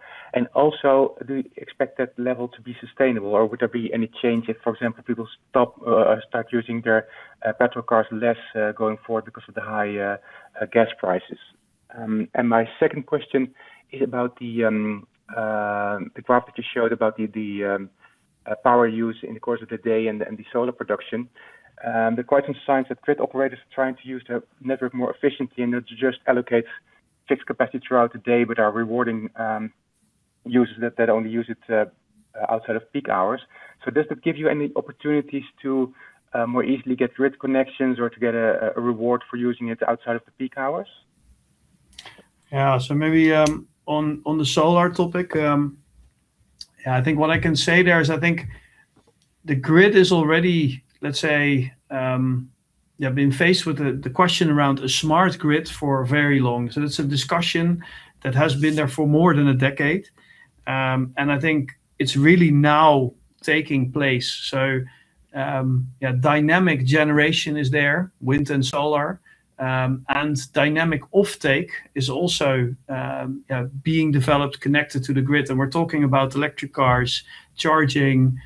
Speaker 6: Also, do you expect that level to be sustainable, or would there be any change if, for example, people start using their petrol cars less, going forward because of the high gas prices? My second question is about the graph that you showed about the power use in the course of the day and the solar production. There are quite some signs that grid operators are trying to use the network more efficiently and not to just allocate fixed capacity throughout the day, but are rewarding users that only use it outside of peak hours. Does that give you any opportunities to more easily get grid connections or to get a reward for using it outside of the peak hours?
Speaker 2: Yeah. Maybe, on the solar topic, I think what I can say there is, I think the grid is already, let's say, been faced with the question around a smart grid for very long. That's a discussion that has been there for more than a decade. I think it's really now taking place. Dynamic generation is there, wind and solar, and dynamic off-take is also being developed, connected to the grid. We're talking about electric cars charging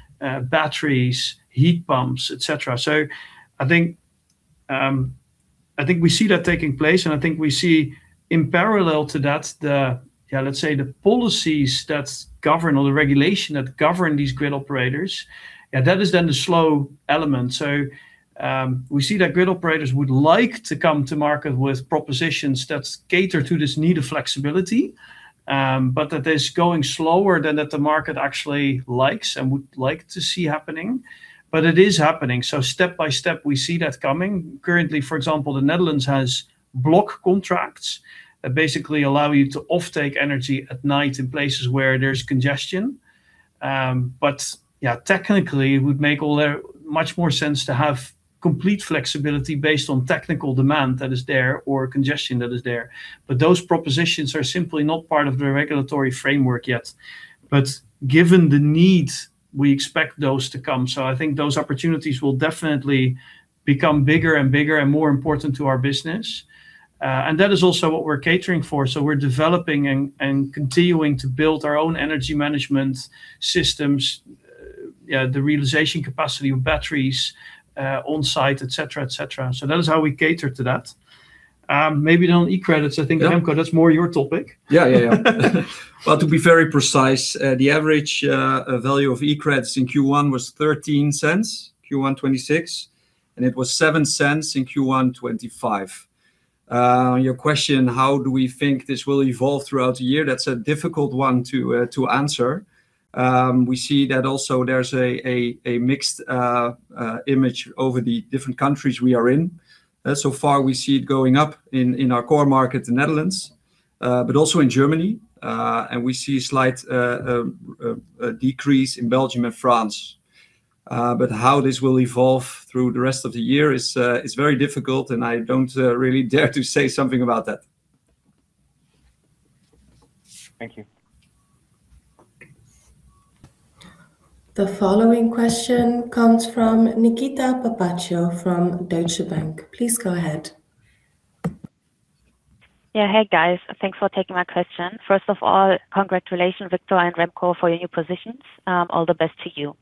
Speaker 2: batteries, heat pumps, et cetera. I think we see that taking place, and I think we see in parallel to that the, let's say, the policies that govern all the regulation, that govern these grid operators. That is then the slow element. We see that grid operators would like to come to market with propositions that cater to this need of flexibility, but that is going slower than the market actually likes and would like to see happening. It is happening, so step by step, we see that coming. Currently, for example, the Netherlands has block contracts that basically allow you to off-take energy at night in places where there's congestion. Yeah, technically, it would make much more sense to have complete flexibility based on technical demand that is there, or congestion that is there. Those propositions are simply not part of the regulatory framework yet. Given the need, we expect those to come. I think those opportunities will definitely become bigger and bigger and more important to our business. That is also what we're catering for. We're developing and continuing to build our own energy management systems, the realization capacity of batteries, on site, et cetera. That is how we cater to that. Maybe on E-credits, I think, Remco, that's more your topic.
Speaker 4: Yeah. Well, to be very precise, the average value of E-credits in Q1 was 0.13, Q1 2026, and it was 0.07 in Q1 2025. On your question, how do we think this will evolve throughout the year? That's a difficult one to answer. We see that also there's a mixed image over the different countries we are in. So far, we see it going up in our core market, the Netherlands, but also in Germany. We see slight decrease in Belgium and France. How this will evolve through the rest of the year is very difficult and I don't really dare to say something about that.
Speaker 6: Thank you.
Speaker 1: The following question comes from Nikita Papaccio from Deutsche Bank. Please go ahead.
Speaker 7: Yeah. Hey, guys. Thanks for taking my question. First of all, congratulations, Victor and Remco, for your new positions. All the best to you.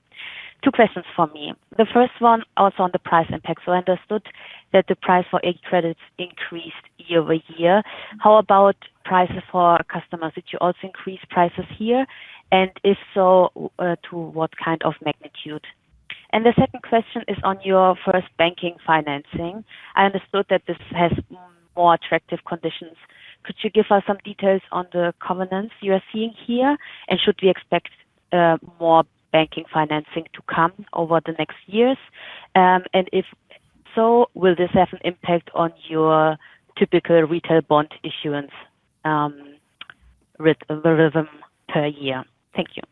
Speaker 7: Two questions for me. The first one, also on the price impact. I understood that the price for E-credits increased year-over-year. How about prices for customers? Did you also increase prices here? And if so, to what kind of magnitude? The second question is on your first banking financing. I understood that this has more attractive conditions. Could you give us some details on the covenants you are seeing here? Should we expect more banking financing to come over the next years? If so, will this have an impact on your typical retail bond issuance rhythm per year? Thank you.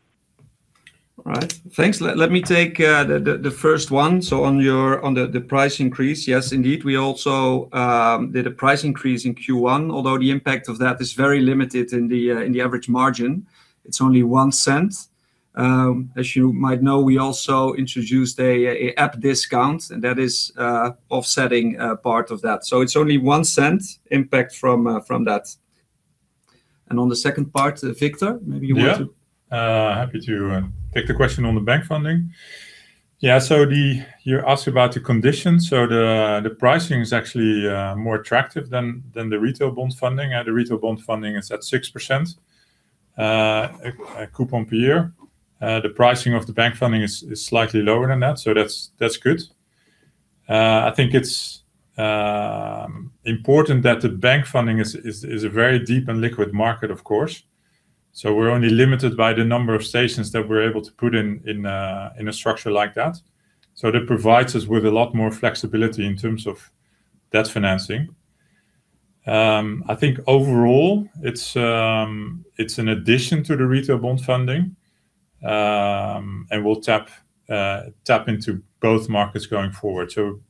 Speaker 4: All right. Thanks. Let me take the first one. On the price increase. Yes, indeed. We also did a price increase in Q1, although the impact of that is very limited in the average margin. It's only 0.01. As you might know, we also introduced an app discount, and that is offsetting part of that. It's only 0.01 impact from that. On the second part, Victor, maybe you want to—
Speaker 3: Yeah. Happy to take the question on the bank funding. Yeah. You asked about the conditions. The pricing is actually more attractive than the retail bond funding. The retail bond funding is at 6% coupon per year. The pricing of the bank funding is slightly lower than that. That's good. I think it's important that the bank funding is a very deep and liquid market, of course. We're only limited by the number of stations that we're able to put in a structure like that. That provides us with a lot more flexibility in terms of debt financing. I think overall, it's an addition to the retail bond funding, and we'll tap into both markets going forward. To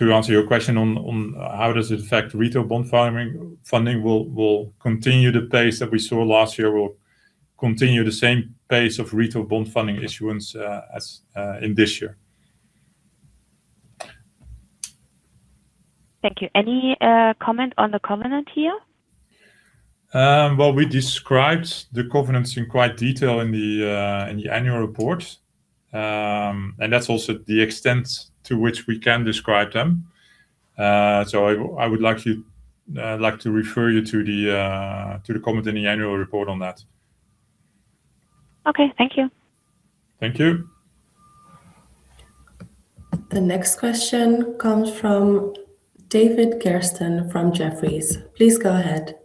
Speaker 3: answer your question on how does it affect retail bond funding, we'll continue the pace that we saw last year. We'll continue the same pace of retail bond funding issuance as in this year.
Speaker 7: Thank you. Any comment on the covenant here?
Speaker 3: Well, we described the covenants in quite detail in the annual report, and that's also the extent to which we can describe them. I would like to refer you to the comment in the annual report on that.
Speaker 7: Okay. Thank you.
Speaker 3: Thank you.
Speaker 1: The next question comes from David Kerstens from Jefferies. Please go ahead.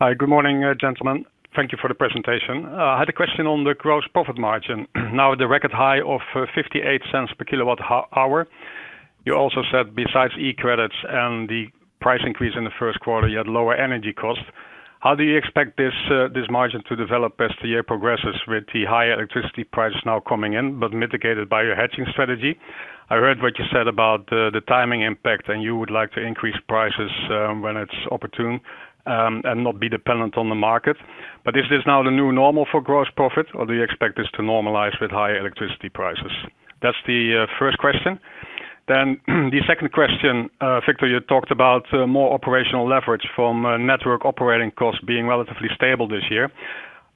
Speaker 8: Hi. Good morning, gentlemen. Thank you for the presentation. I had a question on the gross profit margin. Now at the record high of 0.58 per kilowatt hour, you also said besides E-credits and the price increase in the first quarter, you had lower energy costs. How do you expect this margin to develop as the year progresses with the higher electricity prices now coming in, but mitigated by your hedging strategy? I heard what you said about the timing impact, and you would like to increase prices when it's opportune, and not be dependent on the market. Is this now the new normal for gross profit, or do you expect this to normalize with higher electricity prices? That's the first question. The second question. Victor, you talked about more operational leverage from network operating costs being relatively stable this year.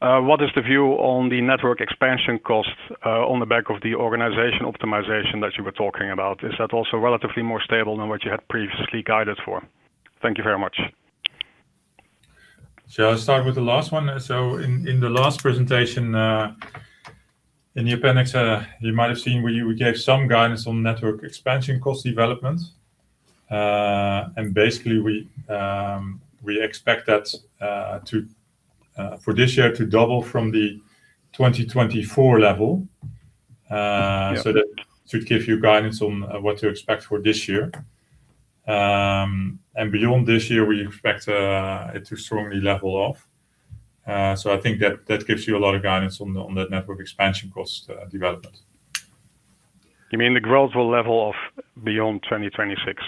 Speaker 8: What is the view on the network expansion costs on the back of the organization optimization that you were talking about? Is that also relatively more stable than what you had previously guided for? Thank you very much.
Speaker 3: I'll start with the last one. In the last presentation, in the appendix, you might have seen we gave some guidance on network expansion cost development. Basically, we expect that for this year to double from the 2024 level.
Speaker 8: Yeah.
Speaker 3: That should give you guidance on what to expect for this year. Beyond this year, we expect it to strongly level off. I think that gives you a lot of guidance on the network expansion cost development.
Speaker 8: You mean the growth will level off beyond 2026?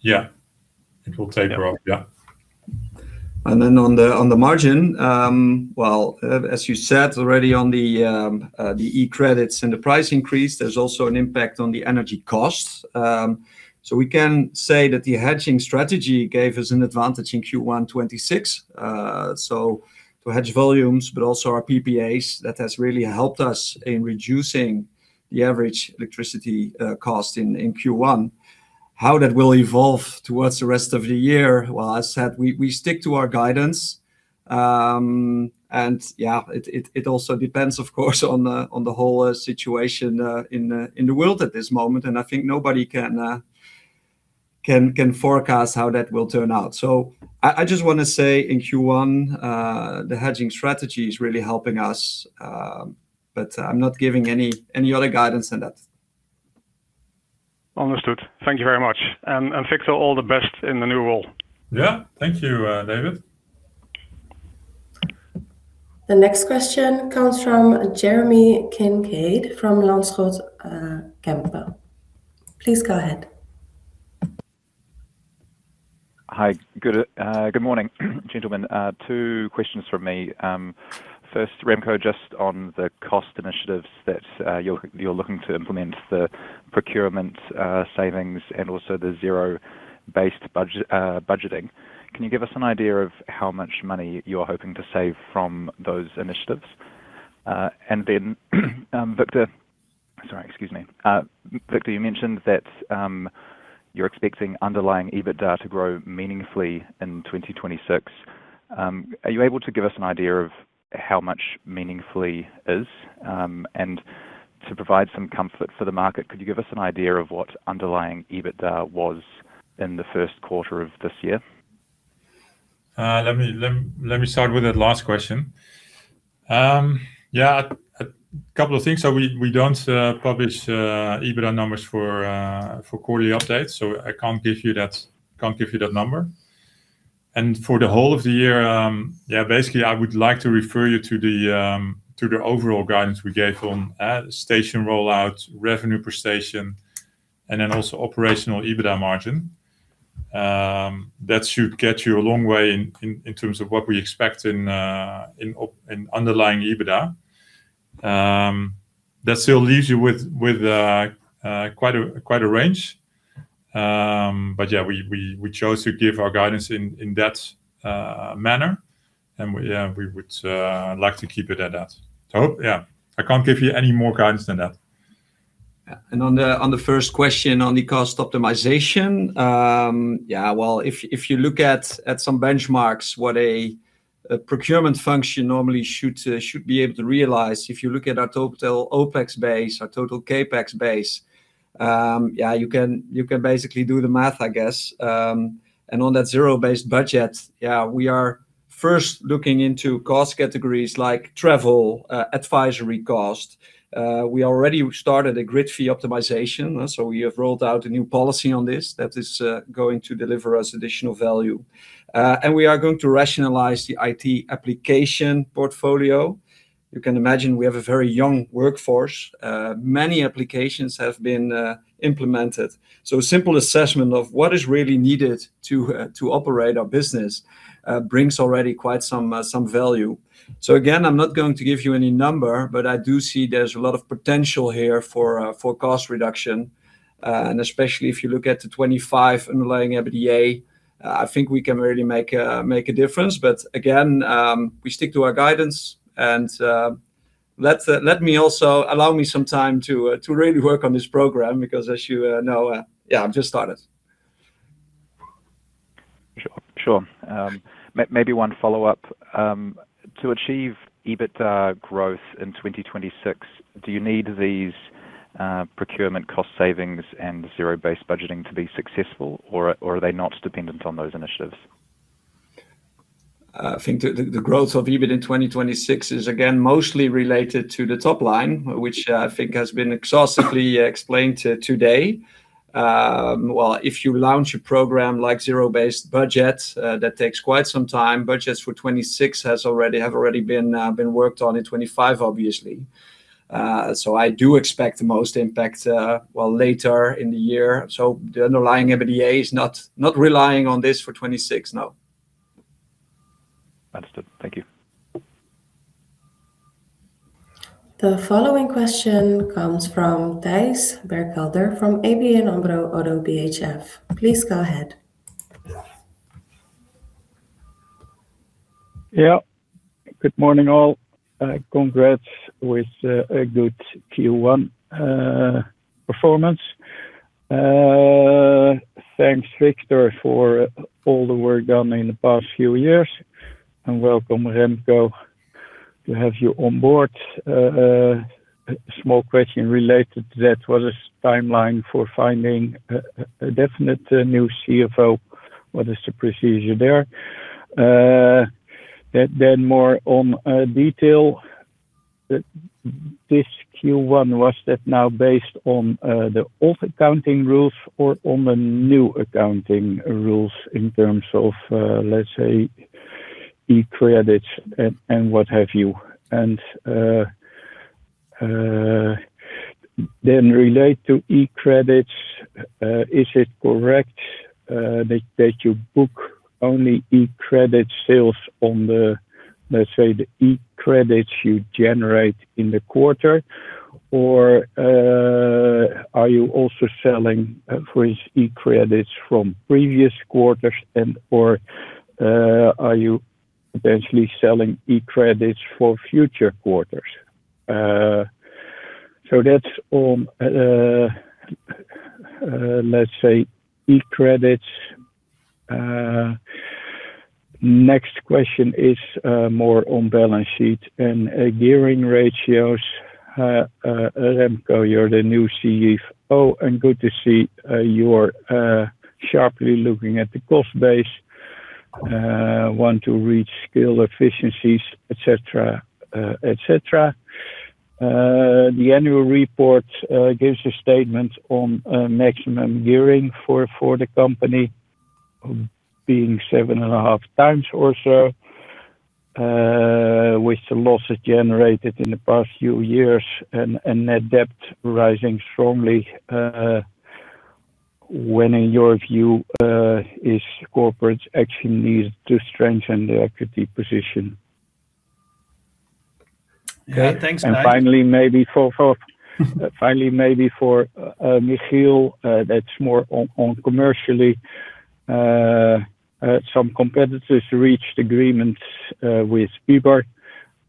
Speaker 3: Yeah. It will taper off. Yeah.
Speaker 4: Then on the margin, well, as you said already on the E-credits and the price increase, there's also an impact on the energy cost. We can say that the hedging strategy gave us an advantage in Q1 2026. To hedge volumes, but also our PPAs, that has really helped us in reducing the average electricity cost in Q1. How that will evolve towards the rest of the year, well, as I said, we stick to our guidance. Yeah, it also depends, of course, on the whole situation in the world at this moment, and I think nobody can forecast how that will turn out. I just want to say in Q1, the hedging strategy is really helping us, but I'm not giving any other guidance than that.
Speaker 8: Understood. Thank you very much. Victor, all the best in the new role.
Speaker 3: Yeah. Thank you, David.
Speaker 1: The next question comes from Jeremy Kincaid from Van Lanschot Kempen. Please go ahead.
Speaker 9: Hi. Good morning, gentlemen. Two questions from me. First, Remco, just on the cost initiatives that you're looking to implement, the procurement savings and also the zero-based budgeting. Can you give us an idea of how much money you're hoping to save from those initiatives? And then, Victor—sorry, excuse me. Victor, you mentioned that you're expecting underlying EBITDA to grow meaningfully in 2026. Are you able to give us an idea of how much meaningfully is, and to provide some comfort for the market, could you give us an idea of what underlying EBITDA was in the first quarter of this year?
Speaker 3: Let me start with that last question. Yeah. A couple of things. We don't publish EBITDA numbers for quarterly updates, so I can't give you that number. For the whole of the year, basically I would like to refer you to the overall guidance we gave on station rollout, revenue per station, and then also operational EBITDA margin. That should get you a long way in terms of what we expect in underlying EBITDA. That still leaves you with quite a range. Yeah, we chose to give our guidance in that manner, and we would like to keep it at that. Yeah, I can't give you any more guidance than that.
Speaker 4: Yeah. On the first question on the cost optimization, yeah, well, if you look at some benchmarks, what a procurement function normally should be able to realize, if you look at our total OpEx base, our total CapEx base, you can basically do the math, I guess. On that zero-based budget, we are first looking into cost categories like travel, advisory cost. We already started a grid fee optimization. We have rolled out a new policy on this that is going to deliver us additional value. We are going to rationalize the IT application portfolio. You can imagine we have a very young workforce. Many applications have been implemented. A simple assessment of what is really needed to operate our business brings already quite some value. Again, I'm not going to give you any number, but I do see there's a lot of potential here for cost reduction. Especially if you look at the 2025 underlying EBITDA, I think we can really make a difference. Again, we stick to our guidance and let me also allow me some time to really work on this program, because as you know, I've just started.
Speaker 9: Sure. Maybe one follow-up. To achieve EBITDA growth in 2026, do you need these procurement cost savings and zero-based budgeting to be successful or are they not dependent on those initiatives?
Speaker 4: I think the growth of EBIT in 2026 is again, mostly related to the top line, which I think has been exhaustively explained today. Well, if you launch a program like zero-based budgeting, that takes quite some time. Budgets for 2026 have already been worked on in 2025, obviously. I do expect most impact later in the year. The underlying EBITDA is not relying on this for 2026, no.
Speaker 9: Understood. Thank you.
Speaker 1: The following question comes from Thijs Berkelder from ABN AMRO – ODDO BHF. Please go ahead.
Speaker 10: Yeah. Good morning, all. Congrats with a good Q1 performance. Thanks, Victor, for all the work done in the past few years, and welcome, Remco, to have you on board. A small question related to that, what is timeline for finding a definite new CFO? What is the procedure there? Then more on detail. This Q1, was that now based on the old accounting rules or on the new accounting rules in terms of, let's say, E-credits and what have you? And then related to E-credits, is it correct that you book only E-credit sales on the, let's say, the E-credits you generate in the quarter, or are you also selling, for instance, E-credits from previous quarters and/or are you potentially selling E-credits for future quarters? So that's on, let's say, E-credits. Next question is more on balance sheet and gearing ratios. Remco, you're the new CFO, and good to see you're sharply looking at the cost base, want to reach scale efficiencies, et cetera, et cetera. The annual report gives a statement on maximum gearing for the company being 7.5 times or so, with the losses generated in the past few years and net debt rising strongly. When, in your view, is corporate action needed to strengthen the equity position?
Speaker 4: Yeah. Thanks, Thijs.
Speaker 10: Finally, maybe for Michiel, that's more on commercially. Some competitors reached agreements with Uber.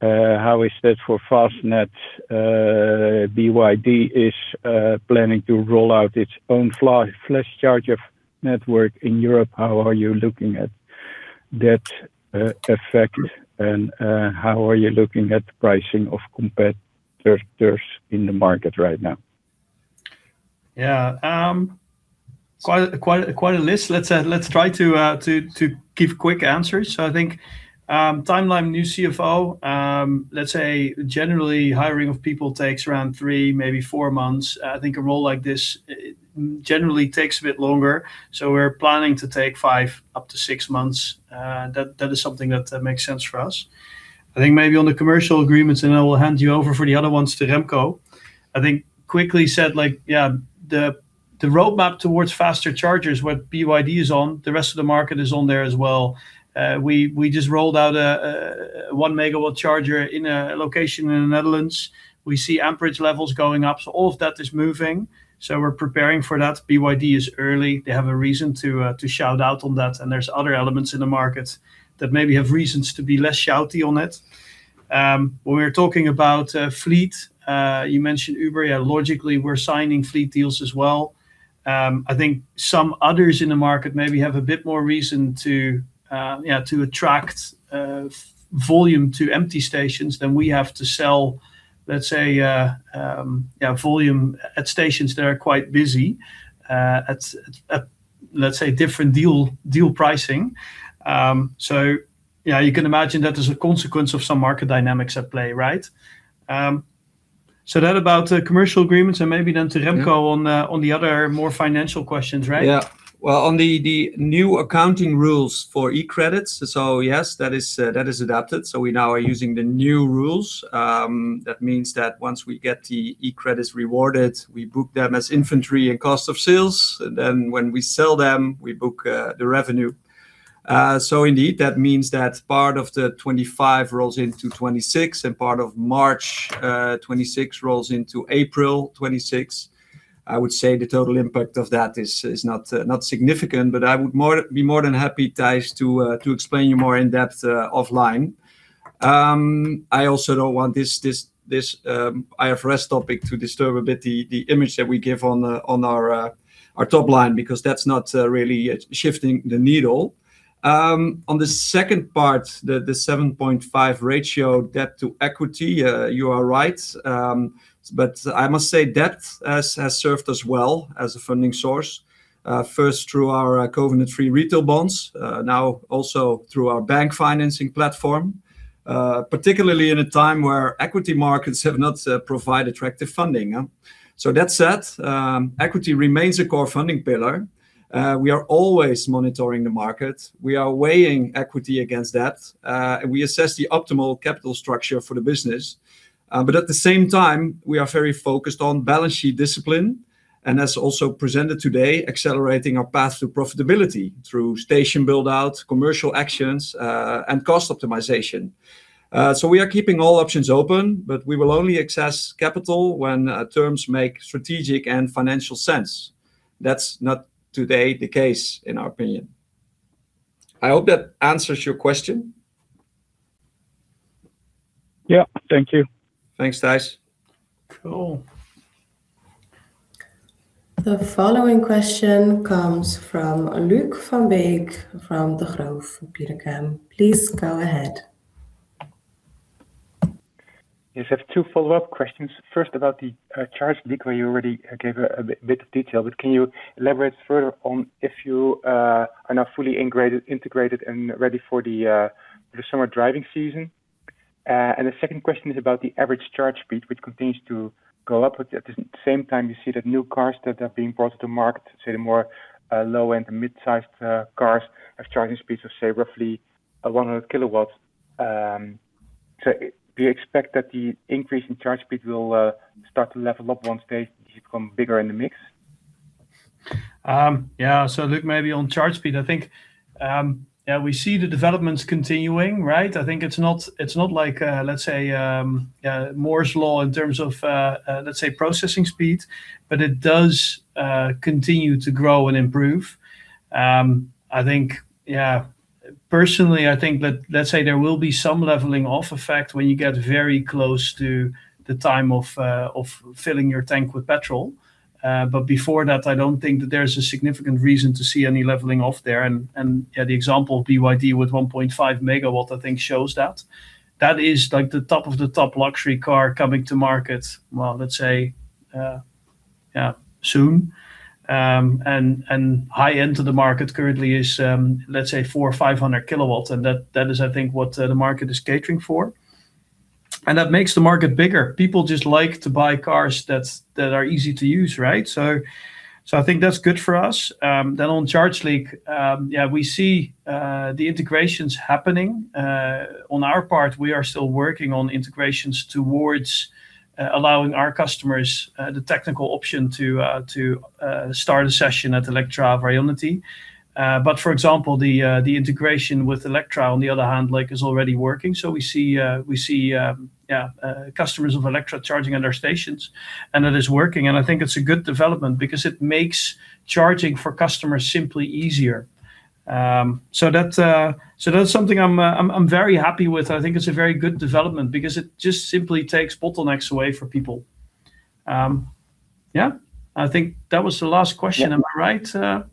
Speaker 10: How is that for Fastned? BYD is planning to roll out its own fast charger network in Europe. How are you looking at that effect and how are you looking at the pricing of competitors in the market right now?
Speaker 2: Yeah. Quite a list. Let's try to give quick answers. I think timeline, new CFO, let's say generally hiring of people takes around three, maybe four months. I think a role like this, it generally takes a bit longer, so we're planning to take five up to six months. That is something that makes sense for us. I think maybe on the commercial agreements, and I will hand you over for the other ones to Remco. I think quickly said, the roadmap towards faster chargers, what BYD is on, the rest of the market is on there as well. We just rolled out a 1 MW charger in a location in the Netherlands. We see amperage levels going up, so all of that is moving, so we're preparing for that. BYD is early. They have a reason to shout out on that. There's other elements in the market that maybe have reasons to be less shouty on it. When we were talking about fleet, you mentioned Uber. Yeah, logically, we're signing fleet deals as well. I think some others in the market maybe have a bit more reason to attract volume to empty stations than we have to sell, let's say, volume at stations that are quite busy at, let's say, different deal pricing. Yeah, you can imagine that is a consequence of some market dynamics at play, right? That about the commercial agreements and maybe then to Remco on the other more financial questions, right?
Speaker 4: Well, on the new accounting rules for E-credits. Yes, that is adapted. We now are using the new rules. That means that once we get the E-credits rewarded, we book them as inventory and cost of sales. Then when we sell them, we book the revenue. Indeed, that means that part of the 2025 rolls into 2026 and part of March 2026 rolls into April 2026. I would say the total impact of that is not significant, but I would be more than happy, Thijs, to explain to you more in-depth offline. I also don't want this IFRS topic to disturb a bit the image that we give on our top line, because that's not really shifting the needle. On the second part, the 7.5 ratio debt to equity, you are right. I must say debt has served us well as a funding source. First through our covenant-free retail bonds, now also through our bank financing platform. Particularly in a time where equity markets have not provided attractive funding. That said, equity remains a core funding pillar. We are always monitoring the market. We are weighing equity against debt, and we assess the optimal capital structure for the business. At the same time, we are very focused on balance sheet discipline, and as also presented today, accelerating our path to profitability through station build-outs, commercial actions, and cost optimization. We are keeping all options open, but we will only access capital when terms make strategic and financial sense. That's not the case today, in our opinion. I hope that answers your question.
Speaker 10: Yeah. Thank you.
Speaker 4: Thanks, Thijs.
Speaker 2: Cool.
Speaker 1: The following question comes from Luuk van Beek from Degroof Petercam. Please go ahead.
Speaker 6: Yes, I have two follow-up questions. First, about the ChargeLeague, where you already gave a bit of detail, but can you elaborate further on if you are now fully integrated and ready for the summer driving season? And the second question is about the average charge speed, which continues to go up. At the same time, you see that new cars that are being brought to market, say the more low-end, mid-sized cars, have charging speeds of, say, roughly 100 kW. Do you expect that the increase in charge speed will start to level up once they become bigger in the mix?
Speaker 2: Yeah. Luuk, maybe on charge speed, I think we see the developments continuing, right? I think it's not like, let's say, Moore's Law in terms of processing speed, but it does continue to grow and improve. Personally, I think that, let's say there will be some leveling off effect when you get very close to the time of filling your tank with petrol. Before that, I don't think that there's a significant reason to see any leveling off there. Yeah, the example of BYD with 1.5 MW, I think shows that. That is the top of the top luxury car coming to market, well, let's say, yeah, soon. High-end to the market currently is, let's say 400 kW or 500 kW and that is, I think, what the market is catering for. That makes the market bigger. People just like to buy cars that are easy to use, right? I think that's good for us. On ChargeLeague, yeah, we see the integrations happening. On our part, we are still working on integrations towards allowing our customers the technical option to start a session at Electra or IONITY. For example, the integration with Electra, on the other hand, is already working. We see customers of Electra charging at our stations, and it is working. I think it's a good development because it makes charging for customers simply easier. That's something I'm very happy with. I think it's a very good development because it just simply takes bottlenecks away for people. Yeah. I think that was the last question, am I right?
Speaker 6: Yeah.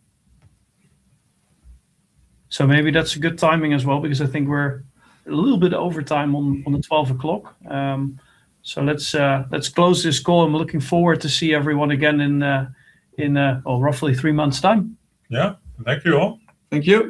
Speaker 2: Maybe that's good timing as well, because I think we're a little bit over time on the 12 o'clock. Let's close this call, and we're looking forward to see everyone again in, well, roughly three months' time.
Speaker 4: Yeah. Thank you all.
Speaker 2: Thank you.